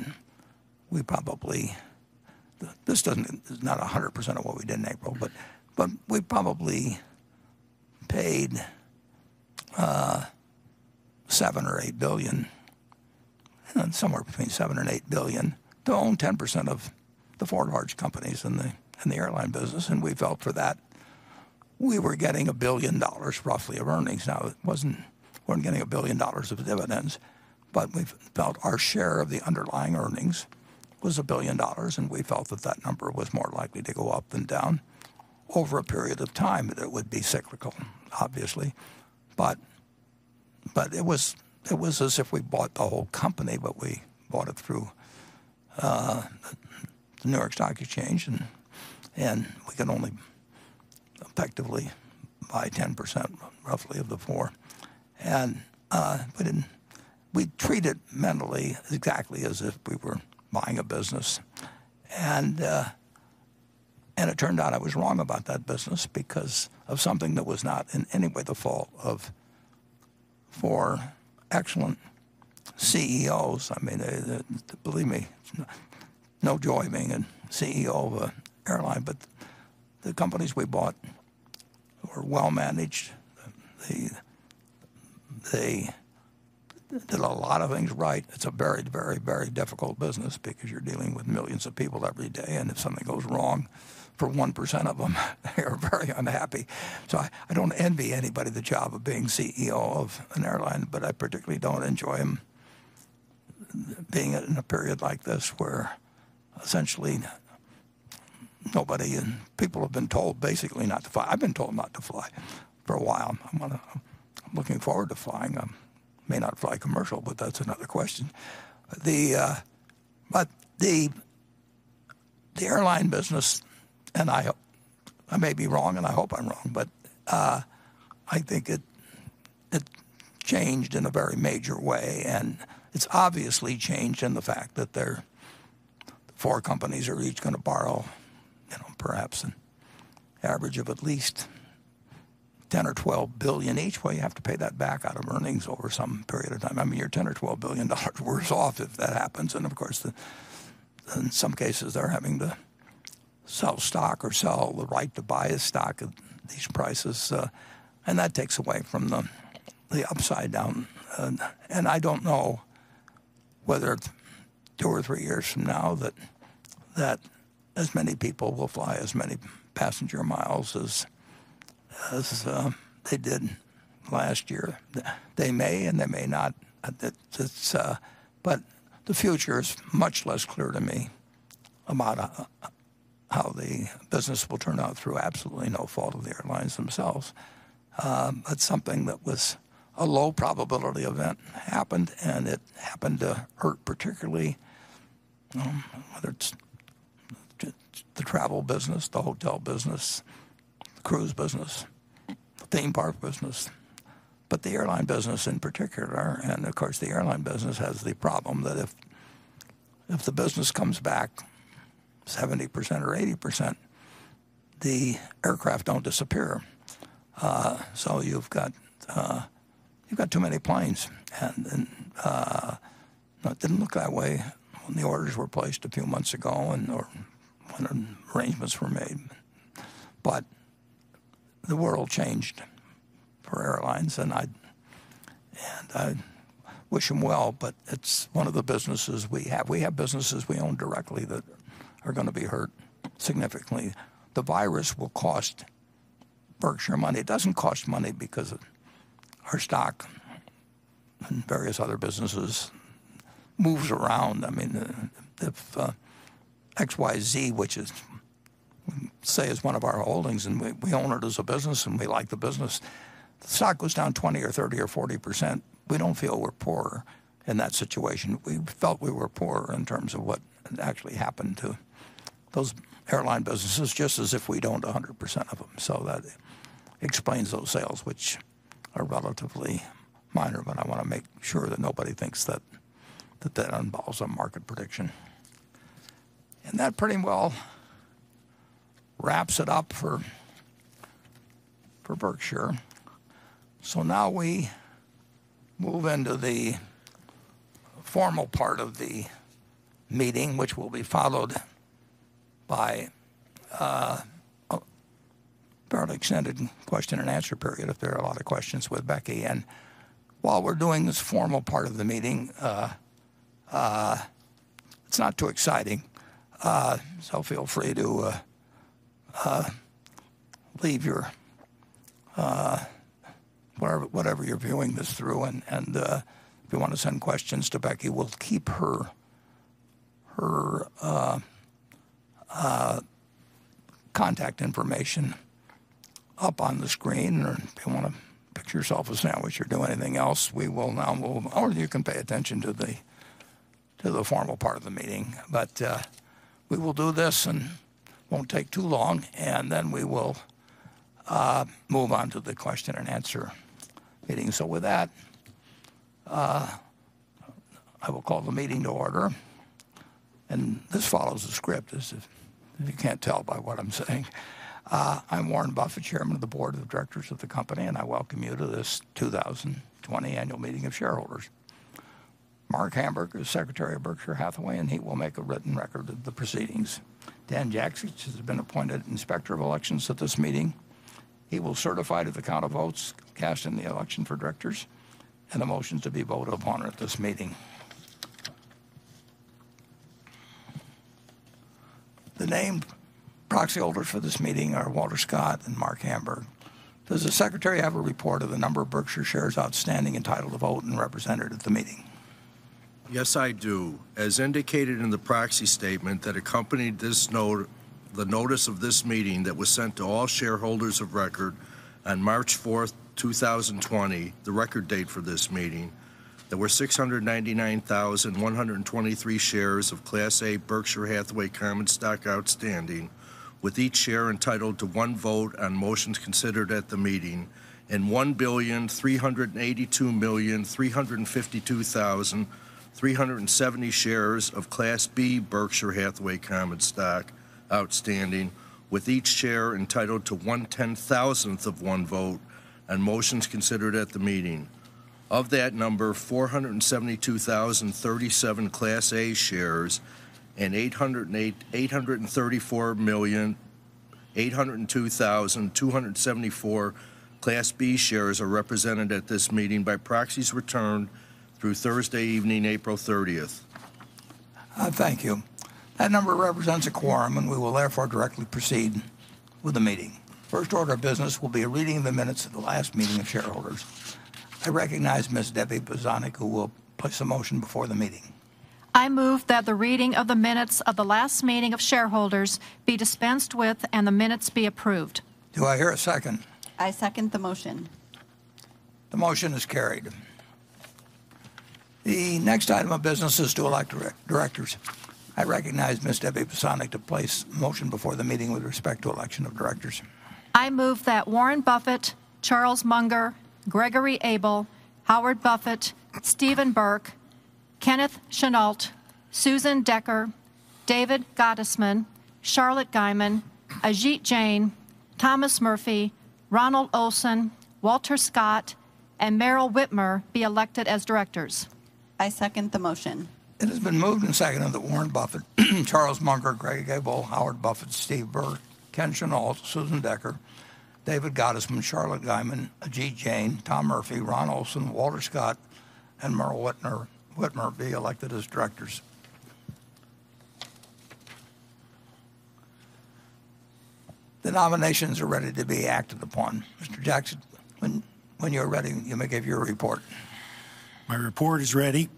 is not 100% of what we did in April, but we probably paid somewhere between $7 billion-$8 billion to own 10% of the four large companies in the airline business. We felt for that we were getting $1 billion roughly of earnings. It wasn't we're getting $1 billion of dividends, but we felt our share of the underlying earnings was $1 billion, and we felt that that number was more likely to go up than down over a period of time. That it would be cyclical, obviously. It was as if we bought the whole company, but we bought it through the New York Stock Exchange, and we can only effectively buy 10% roughly of the four. We treat it mentally exactly as if we were buying a business. It turned out I was wrong about that business because of something that was not in any way the fault of four excellent CEOs. Believe me, it's no joy being a CEO of an airline. The companies we bought were well-managed. They did a lot of things right. It's a very difficult business because you're dealing with millions of people every day, and if something goes wrong for 1% of them, they are very unhappy. I don't envy anybody the job of being CEO of an airline, but I particularly don't enjoy being in a period like this where essentially people have been told basically not to fly. I've been told not to fly for a while. I'm looking forward to flying. I may not fly commercial, but that's another question. The airline business, and I may be wrong, and I hope I'm wrong, but I think it changed in a very major way, and it's obviously changed in the fact that the four companies are each going to borrow perhaps an average of at least $10 billion or $12 billion each way. You have to pay that back out of earnings over some period of time. You're $10 billion or $12 billion worse off if that happens. Of course, in some cases, they're having to sell stock or sell the right to buy a stock at these prices, and that takes away from the upside down. I don't know whether two or three years from now that as many people will fly as many passenger miles as they did last year. They may and they may not. The future is much less clear to me about how the business will turn out through absolutely no fault of the airlines themselves. Something that was a low probability event happened, and it happened to hurt particularly the travel business, the hotel business, the cruise business, the theme park business, the airline business in particular. Of course, the airline business has the problem that if the business comes back 70% or 80%, the aircraft don't disappear. You've got too many planes, and it didn't look that way when the orders were placed a few months ago or when arrangements were made. The world changed for airlines, and I wish them well, but it's one of the businesses we have. We have businesses we own directly that are going to be hurt significantly. The virus will cost Berkshire money. It doesn't cost money because of our stock and various other businesses moves around. If XYZ, which say is one of our holdings and we own it as a business and we like the business, the stock goes down 20 or 30 or 40%, we don't feel we're poorer in that situation. We felt we were poorer in terms of what actually happened to those airline businesses, just as if we'd owned 100% of them. That explains those sales, which are relatively minor, but I want to make sure that nobody thinks that that involves a market prediction. That pretty well wraps it up for Berkshire. Now we move into the formal part of the meeting, which will be followed by a fairly extended question and answer period if there are a lot of questions with Becky. While we're doing this formal part of the meeting, it's not too exciting, so feel free to leave whatever you're viewing this through. If you want to send questions to Becky, we'll keep her contact information up on the screen. If you want to get yourself a sandwich or do anything else, or you can pay attention to the formal part of the meeting. We will do this and won't take too long, and then we will move on to the question and answer meeting. With that, I will call the meeting to order. This follows a script, if you can't tell by what I'm saying. I'm Warren Buffett, Chairman of the Board of Directors of the company, and I welcome you to this 2020 annual meeting of shareholders. Marc Hamburg is Secretary of Berkshire Hathaway, and he will make a written record of the proceedings. Dan Jaksich has been appointed Inspector of Elections at this meeting. He will certify to the count of votes cast in the election for directors and the motions to be voted upon at this meeting. The named proxy holders for this meeting are Walter Scott and Marc Hamburg. Does the Secretary have a report of the number of Berkshire shares outstanding entitled to vote and represented at the meeting? Yes, I do. As indicated in the proxy statement that accompanied the notice of this meeting that was sent to all shareholders of record on March 4, 2020, the record date for this meeting, there were 699,123 shares of Class A Berkshire Hathaway common stock outstanding, with each share entitled to one vote on motions considered at the meeting, and 1,382,352,370 shares of Class B Berkshire Hathaway common stock outstanding, with each share entitled to 1/10,000 of one vote on motions considered at the meeting. Of that number, 472,037 Class A shares and 834,802,274 Class B shares are represented at this meeting by proxies returned through Thursday evening, April 30th. Thank you. That number represents a quorum, and we will therefore directly proceed with the meeting. First order of business will be a reading of the minutes at the last meeting of shareholders. I recognize Ms. Debbie Bosanek, who will place a motion before the meeting. I move that the reading of the minutes of the last meeting of shareholders be dispensed with and the minutes be approved. Do I hear a second? I second the motion. The motion is carried. The next item of business is to elect Directors. I recognize Ms. Debbie Bosanek to place motion before the meeting with respect to Election of Directors. I move that Warren Buffett, Charles Munger, Gregory Abel, Howard Buffett, Stephen Burke, Kenneth Chenault, Susan Decker, David Gottesman, Charlotte Guyman, Ajit Jain, Thomas Murphy, Ronald Olson, Walter Scott, and Meryl Witmer be elected as Directors. I second the motion. It has been moved and seconded that Warren Buffett, Charles Munger, Greg Abel, Howard Buffett, Steve Burke, Ken Chenault, Susan Decker, David Gottesman, Charlotte Guyman, Ajit Jain, Tom Murphy, Ron Olson, Walter Scott, and Meryl Witmer be elected as Directors. The nominations are ready to be acted upon. Mr. Jaksich, when you're ready, you may give your report. My report is ready.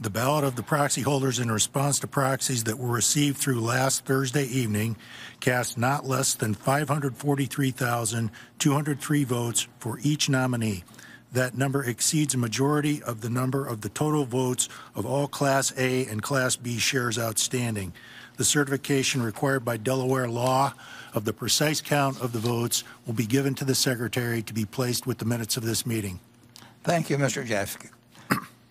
The ballot of the proxy holders in response to proxies that were received through last Thursday evening cast not less than 543,203 votes for each nominee. That number exceeds a majority of the number of the total votes of all Class A and Class B shares outstanding. The certification required by Delaware law of the precise count of the votes will be given to the secretary to be placed with the minutes of this meeting. Thank you, Mr. Jaksich.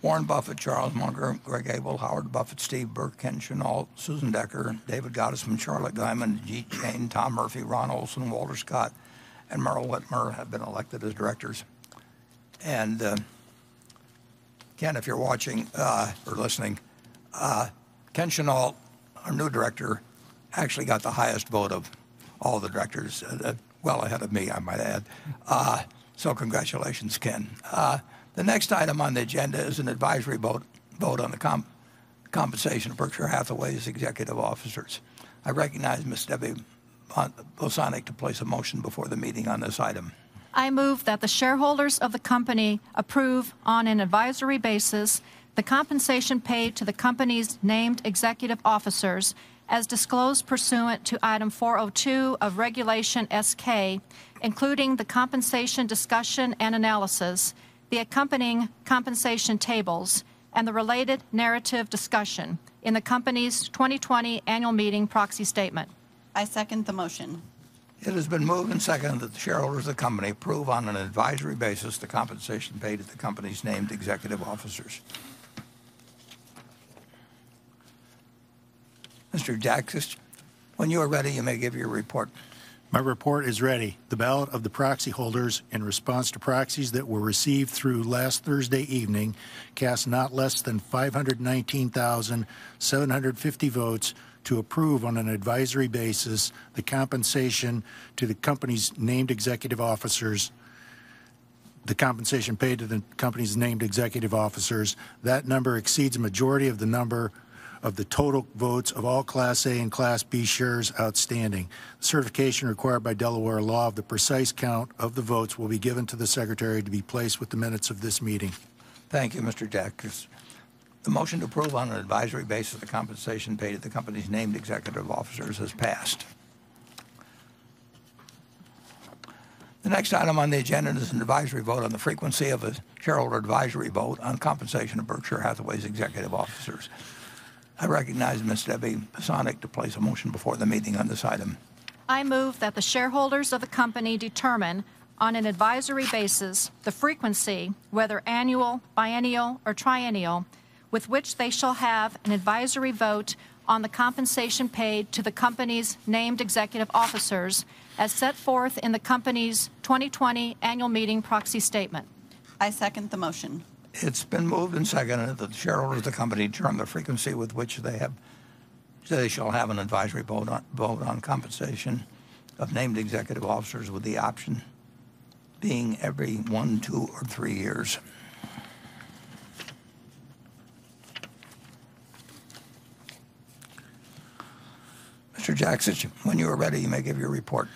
Warren Buffett, Charles Munger, Greg Abel, Howard Buffett, Steve Burke, Ken Chenault, Susan Decker, David Gottesman, Charlotte Guyman, Ajit Jain, Tom Murphy, Ron Olson, Walter Scott, and Meryl Witmer have been elected as directors. Ken, if you're watching or listening, Ken Chenault, our new Director, actually got the highest vote of all the Directors. Well ahead of me, I might add. Congratulations, Ken. The next item on the agenda is an advisory vote on the compensation of Berkshire Hathaway's Executive Officers. I recognize Ms. Debbie Bosanek to place a motion before the meeting on this item. I move that the shareholders of the company approve, on an advisory basis, the compensation paid to the company's named executive officers as disclosed pursuant to Item 402 of Regulation S-K, including the compensation discussion and analysis, the accompanying compensation tables, and the related narrative discussion in the company's 2020 annual meeting proxy statement. I second the motion. It has been moved and seconded that the shareholders of the company approve on an advisory basis the compensation paid to the company's named executive officers. Mr. Jaksich, when you are ready, you may give your report. My report is ready. The ballot of the proxy holders in response to proxies that were received through last Thursday evening cast not less than 519,750 votes to approve on an advisory basis the compensation paid to the company's named executive officers. That number exceeds a majority of the number of the total votes of all Class A and Class B shares outstanding. The certification required by Delaware law of the precise count of the votes will be given to the secretary to be placed with the minutes of this meeting. Thank you, Mr. Jaksich. The motion to approve on an advisory basis the compensation paid to the company's named executive officers has passed. The next item on the agenda is an advisory vote on the frequency of a shareholder advisory vote on compensation of Berkshire Hathaway's executive officers. I recognize Ms. Debbie Bosanek to place a motion before the meeting on this item. I move that the shareholders of the company determine, on an advisory basis, the frequency, whether annual, biannual, or triennial, with which they shall have an advisory vote on the compensation paid to the company's named executive officers as set forth in the company's 2020 annual meeting proxy statement. I second the motion. It's been moved and seconded that the shareholders of the company determine the frequency with which they shall have an advisory vote on compensation of named executive officers, with the option being every one, two, or three years. Mr. Jaksich, when you are ready, you may give your report.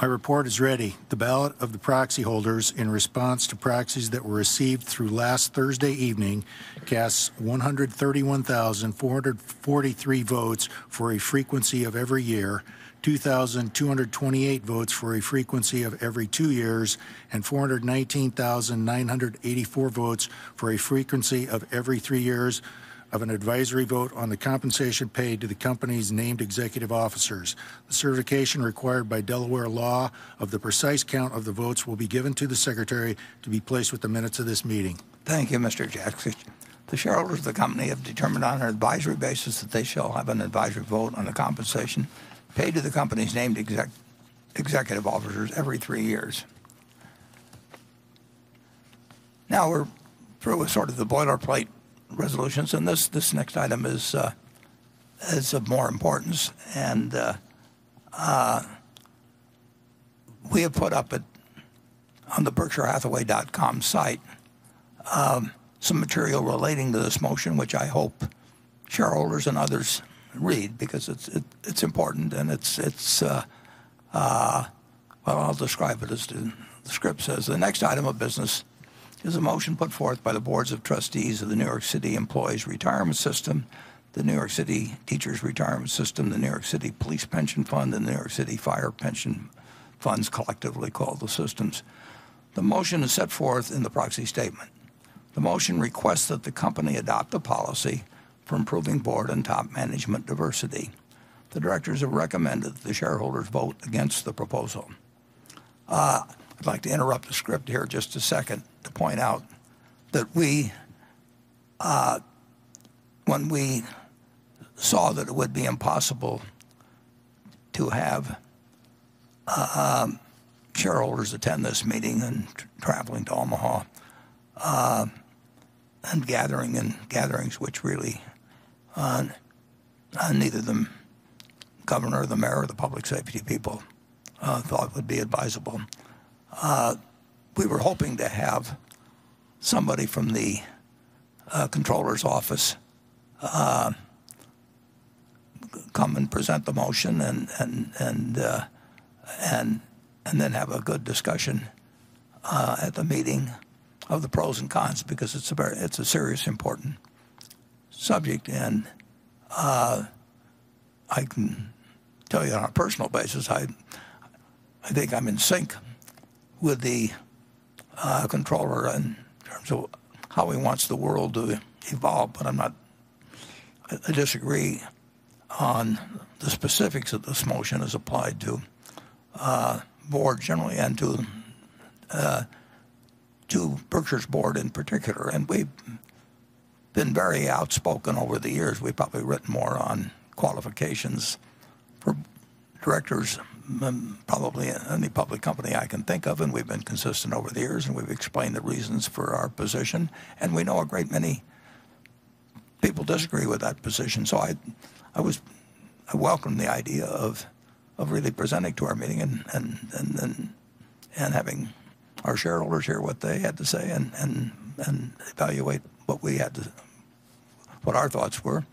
My report is ready. The ballot of the proxy holders in response to proxies that were received through last Thursday evening casts 131,443 votes for a frequency of every year, 2,228 votes for a frequency of every two years, and 419,984 votes for a frequency of every three years of an advisory vote on the compensation paid to the company's named executive officers. The certification required by Delaware law of the precise count of the votes will be given to the secretary to be placed with the minutes of this meeting. Thank you, Mr. Jaksich. The shareholders of the company have determined on an advisory basis that they shall have an advisory vote on the compensation paid to the company's named executive officers every three years. Now we're through with sort of the boilerplate resolutions. This next item is of more importance. We have put up on the berkshirehathaway.com site some material relating to this motion, which I hope shareholders and others read because it's important and Well, I'll describe it as the script says. The next item of business. There's a motion put forth by the Boards of Trustees of the New York City Employees' Retirement System, the New York City Teachers' Retirement System, the New York City Police Pension Fund, and the New York City Fire Pension Funds, collectively called the Systems. The motion is set forth in the proxy statement. The motion requests that the company adopt a policy for improving Board and top management diversity. The directors have recommended that the shareholders vote against the proposal. I'd like to interrupt the script here just a second to point out that when we saw that it would be impossible to have shareholders attend this meeting and traveling to Omaha, and gatherings which really neither the governor or the mayor or the public safety people thought would be advisable. We were hoping to have somebody from the Comptroller's office come and present the motion and then have a good discussion at the meeting of the pros and cons, because it's a serious, important subject. I can tell you on a personal basis, I think I'm in sync with the Comptroller in terms of how he wants the world to evolve, but I disagree on the specifics of this motion as applied to Boards generally and to Berkshire's Board in particular. We've been very outspoken over the years. We've probably written more on qualifications for directors than probably any public company I can think of, and we've been consistent over the years, and we've explained the reasons for our position, and we know a great many people disagree with that position. I welcomed the idea of really presenting to our meeting and having our shareholders hear what they had to say and evaluate what our thoughts were.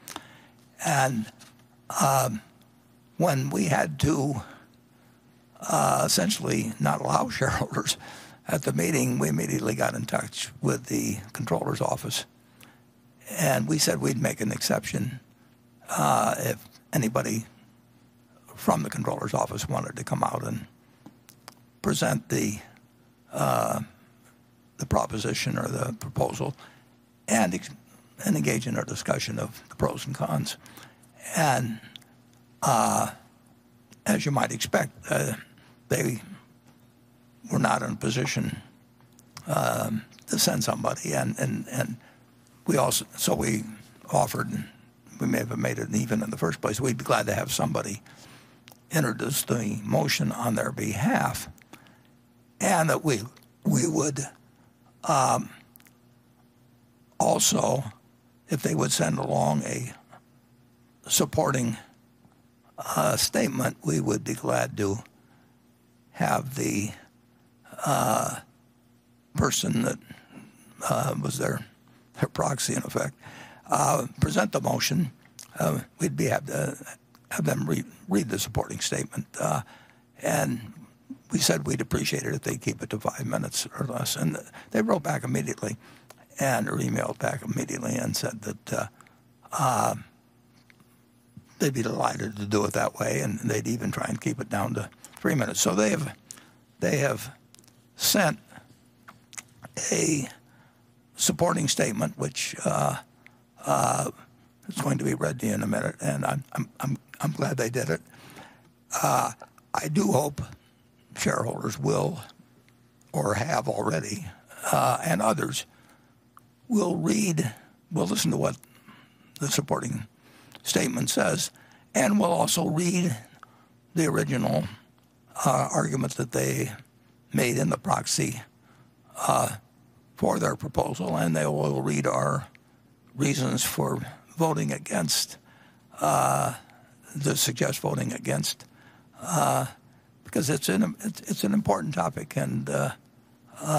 When we had to essentially not allow shareholders at the meeting, we immediately got in touch with the Comptroller's office, and we said we'd make an exception if anybody from the Comptroller's office wanted to come out and present the proposition or the proposal and engage in our discussion of the pros and cons. As you might expect, they were not in a position to send somebody. We offered, we may have made it even in the first place, we'd be glad to have somebody introduce the motion on their behalf. We would also, if they would send along a supporting statement, we would be glad to have the person that was their proxy in effect present the motion. We'd be happy to have them read the supporting statement. We said we'd appreciate it if they keep it to five minutes or less. They wrote back immediately or emailed back immediately and said that they'd be delighted to do it that way, and they'd even try and keep it down to three minutes. They have sent a supporting statement, which is going to be read to you in a minute, and I'm glad they did it. I do hope shareholders will or have already, and others, will listen to what the supporting statement says and will also read the original arguments that they made in the proxy for their proposal. They will read our reasons for suggest voting against, because it's an important topic, and I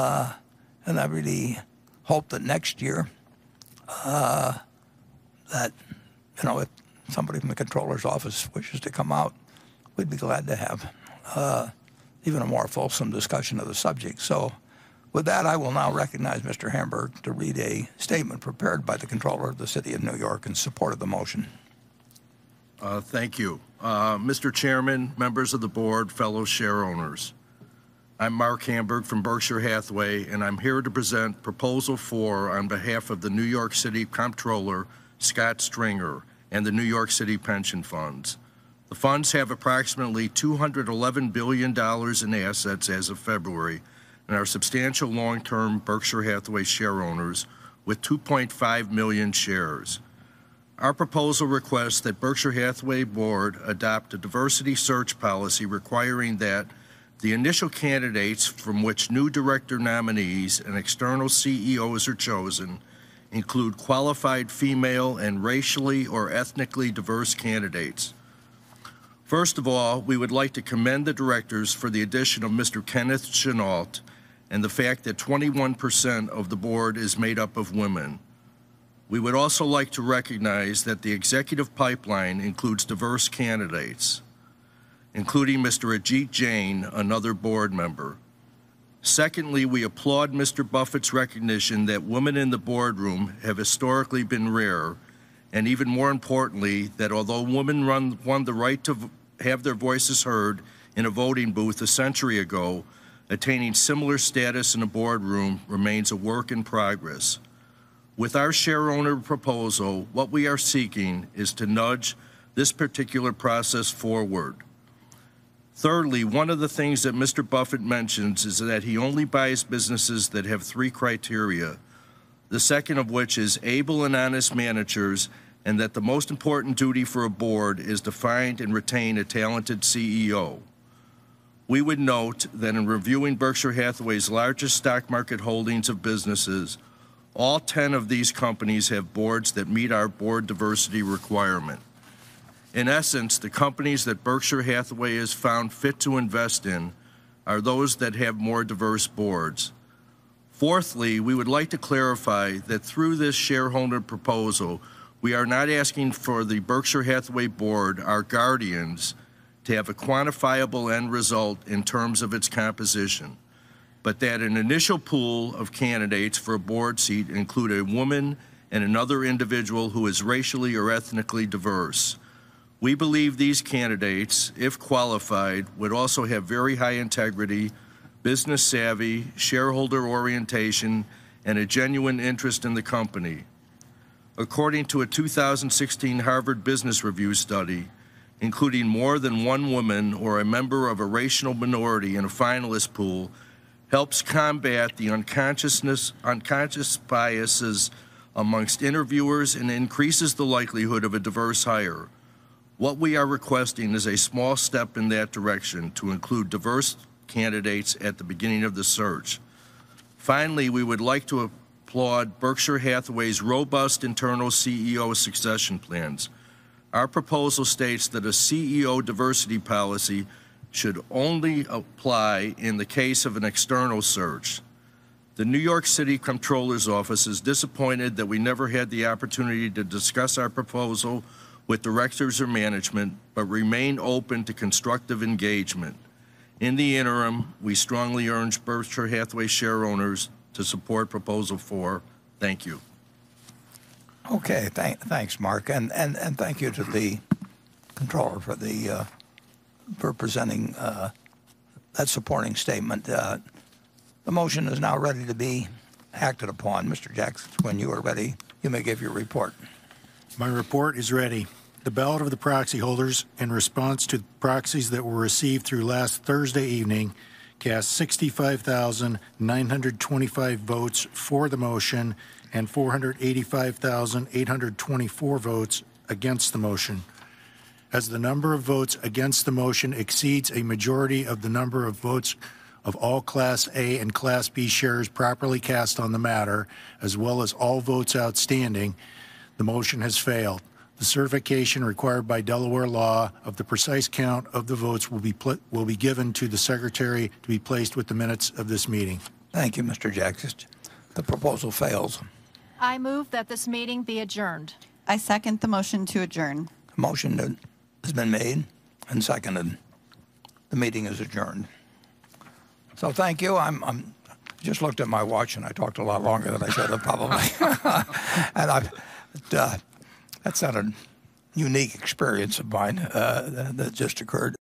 really hope that next year that if somebody from the Comptroller's office wishes to come out, we'd be glad to have even a more fulsome discussion of the subject. With that, I will now recognize Mr. Hamburg to read a statement prepared by the Comptroller of the City of New York in support of the motion. Thank you. Mr. Chairman, Members of the Board, fellow share owners. I'm Marc Hamburg from Berkshire Hathaway, and I'm here to present Proposal 4 on behalf of the New York City Comptroller, Scott Stringer, and the New York City Pension Funds. The funds have approximately $211 billion in assets as of February and are substantial long-term Berkshire Hathaway share owners with 2.5 million shares. Our proposal requests that Berkshire Hathaway Board adopt a diversity search policy requiring that the initial candidates from which new director nominees and external CEOs are chosen include qualified female and racially or ethnically diverse candidates. First of all, we would like to commend the directors for the addition of Mr. Kenneth Chenault and the fact that 21% of the Board is made up of women. We would also like to recognize that the executive pipeline includes diverse candidates, including Mr. Ajit Jain, another Board Member. Secondly, we applaud Mr. Buffett's recognition that women in the boardroom have historically been rare, and even more importantly, that although women won the right to have their voices heard in a voting booth a century ago, attaining similar status in a boardroom remains a work in progress. With our share owner proposal, what we are seeking is to nudge this particular process forward. Thirdly, one of the things that Mr. Buffett mentions is that he only buys businesses that have three criteria, the second of which is able and honest managers, and that the most important duty for a Board is to find and retain a talented CEO. We would note that in reviewing Berkshire Hathaway's largest stock market holdings of businesses, all 10 of these companies have Boards that meet our Board diversity requirement. In essence, the companies that Berkshire Hathaway has found fit to invest in are those that have more diverse Boards. Fourthly, we would like to clarify that through this shareholder proposal, we are not asking for the Berkshire Hathaway Board, our guardians, to have a quantifiable end result in terms of its composition, but that an initial pool of candidates for a Board seat include a woman and another individual who is racially or ethnically diverse. We believe these candidates, if qualified, would also have very high integrity, business savvy, shareholder orientation, and a genuine interest in the company. According to a 2016 Harvard Business Review study, including more than one woman or a member of a racial minority in a finalist pool helps combat the unconscious biases amongst interviewers and increases the likelihood of a diverse hire. What we are requesting is a small step in that direction to include diverse candidates at the beginning of the search. Finally, we would like to applaud Berkshire Hathaway's robust internal CEO succession plans. Our proposal states that a CEO diversity policy should only apply in the case of an external search. The New York City Comptroller's Office is disappointed that we never had the opportunity to discuss our proposal with directors or management, but remain open to constructive engagement. In the interim, we strongly urge Berkshire Hathaway share owners to support Proposal 4. Thank you. Okay. Thanks, Marc. Thank you to the Comptroller for presenting that supporting statement. The motion is now ready to be acted upon. Mr. Jaksich, when you are ready, you may give your report. My report is ready. The ballot of the proxy holders in response to proxies that were received through last Thursday evening cast 65,925 votes for the motion and 485,824 votes against the motion. The number of votes against the motion exceeds a majority of the number of votes of all Class A and Class B shares properly cast on the matter, as well as all votes outstanding, the motion has failed. The certification required by Delaware law of the precise count of the votes will be given to the secretary to be placed with the minutes of this meeting. Thank you, Mr. Jaksich. The proposal fails. I move that this meeting be adjourned. I second the motion to adjourn. A motion has been made and seconded. The meeting is adjourned. Thank you. I just looked at my watch, and I talked a lot longer than I should have, probably. That's not a unique experience of mine that just occurred.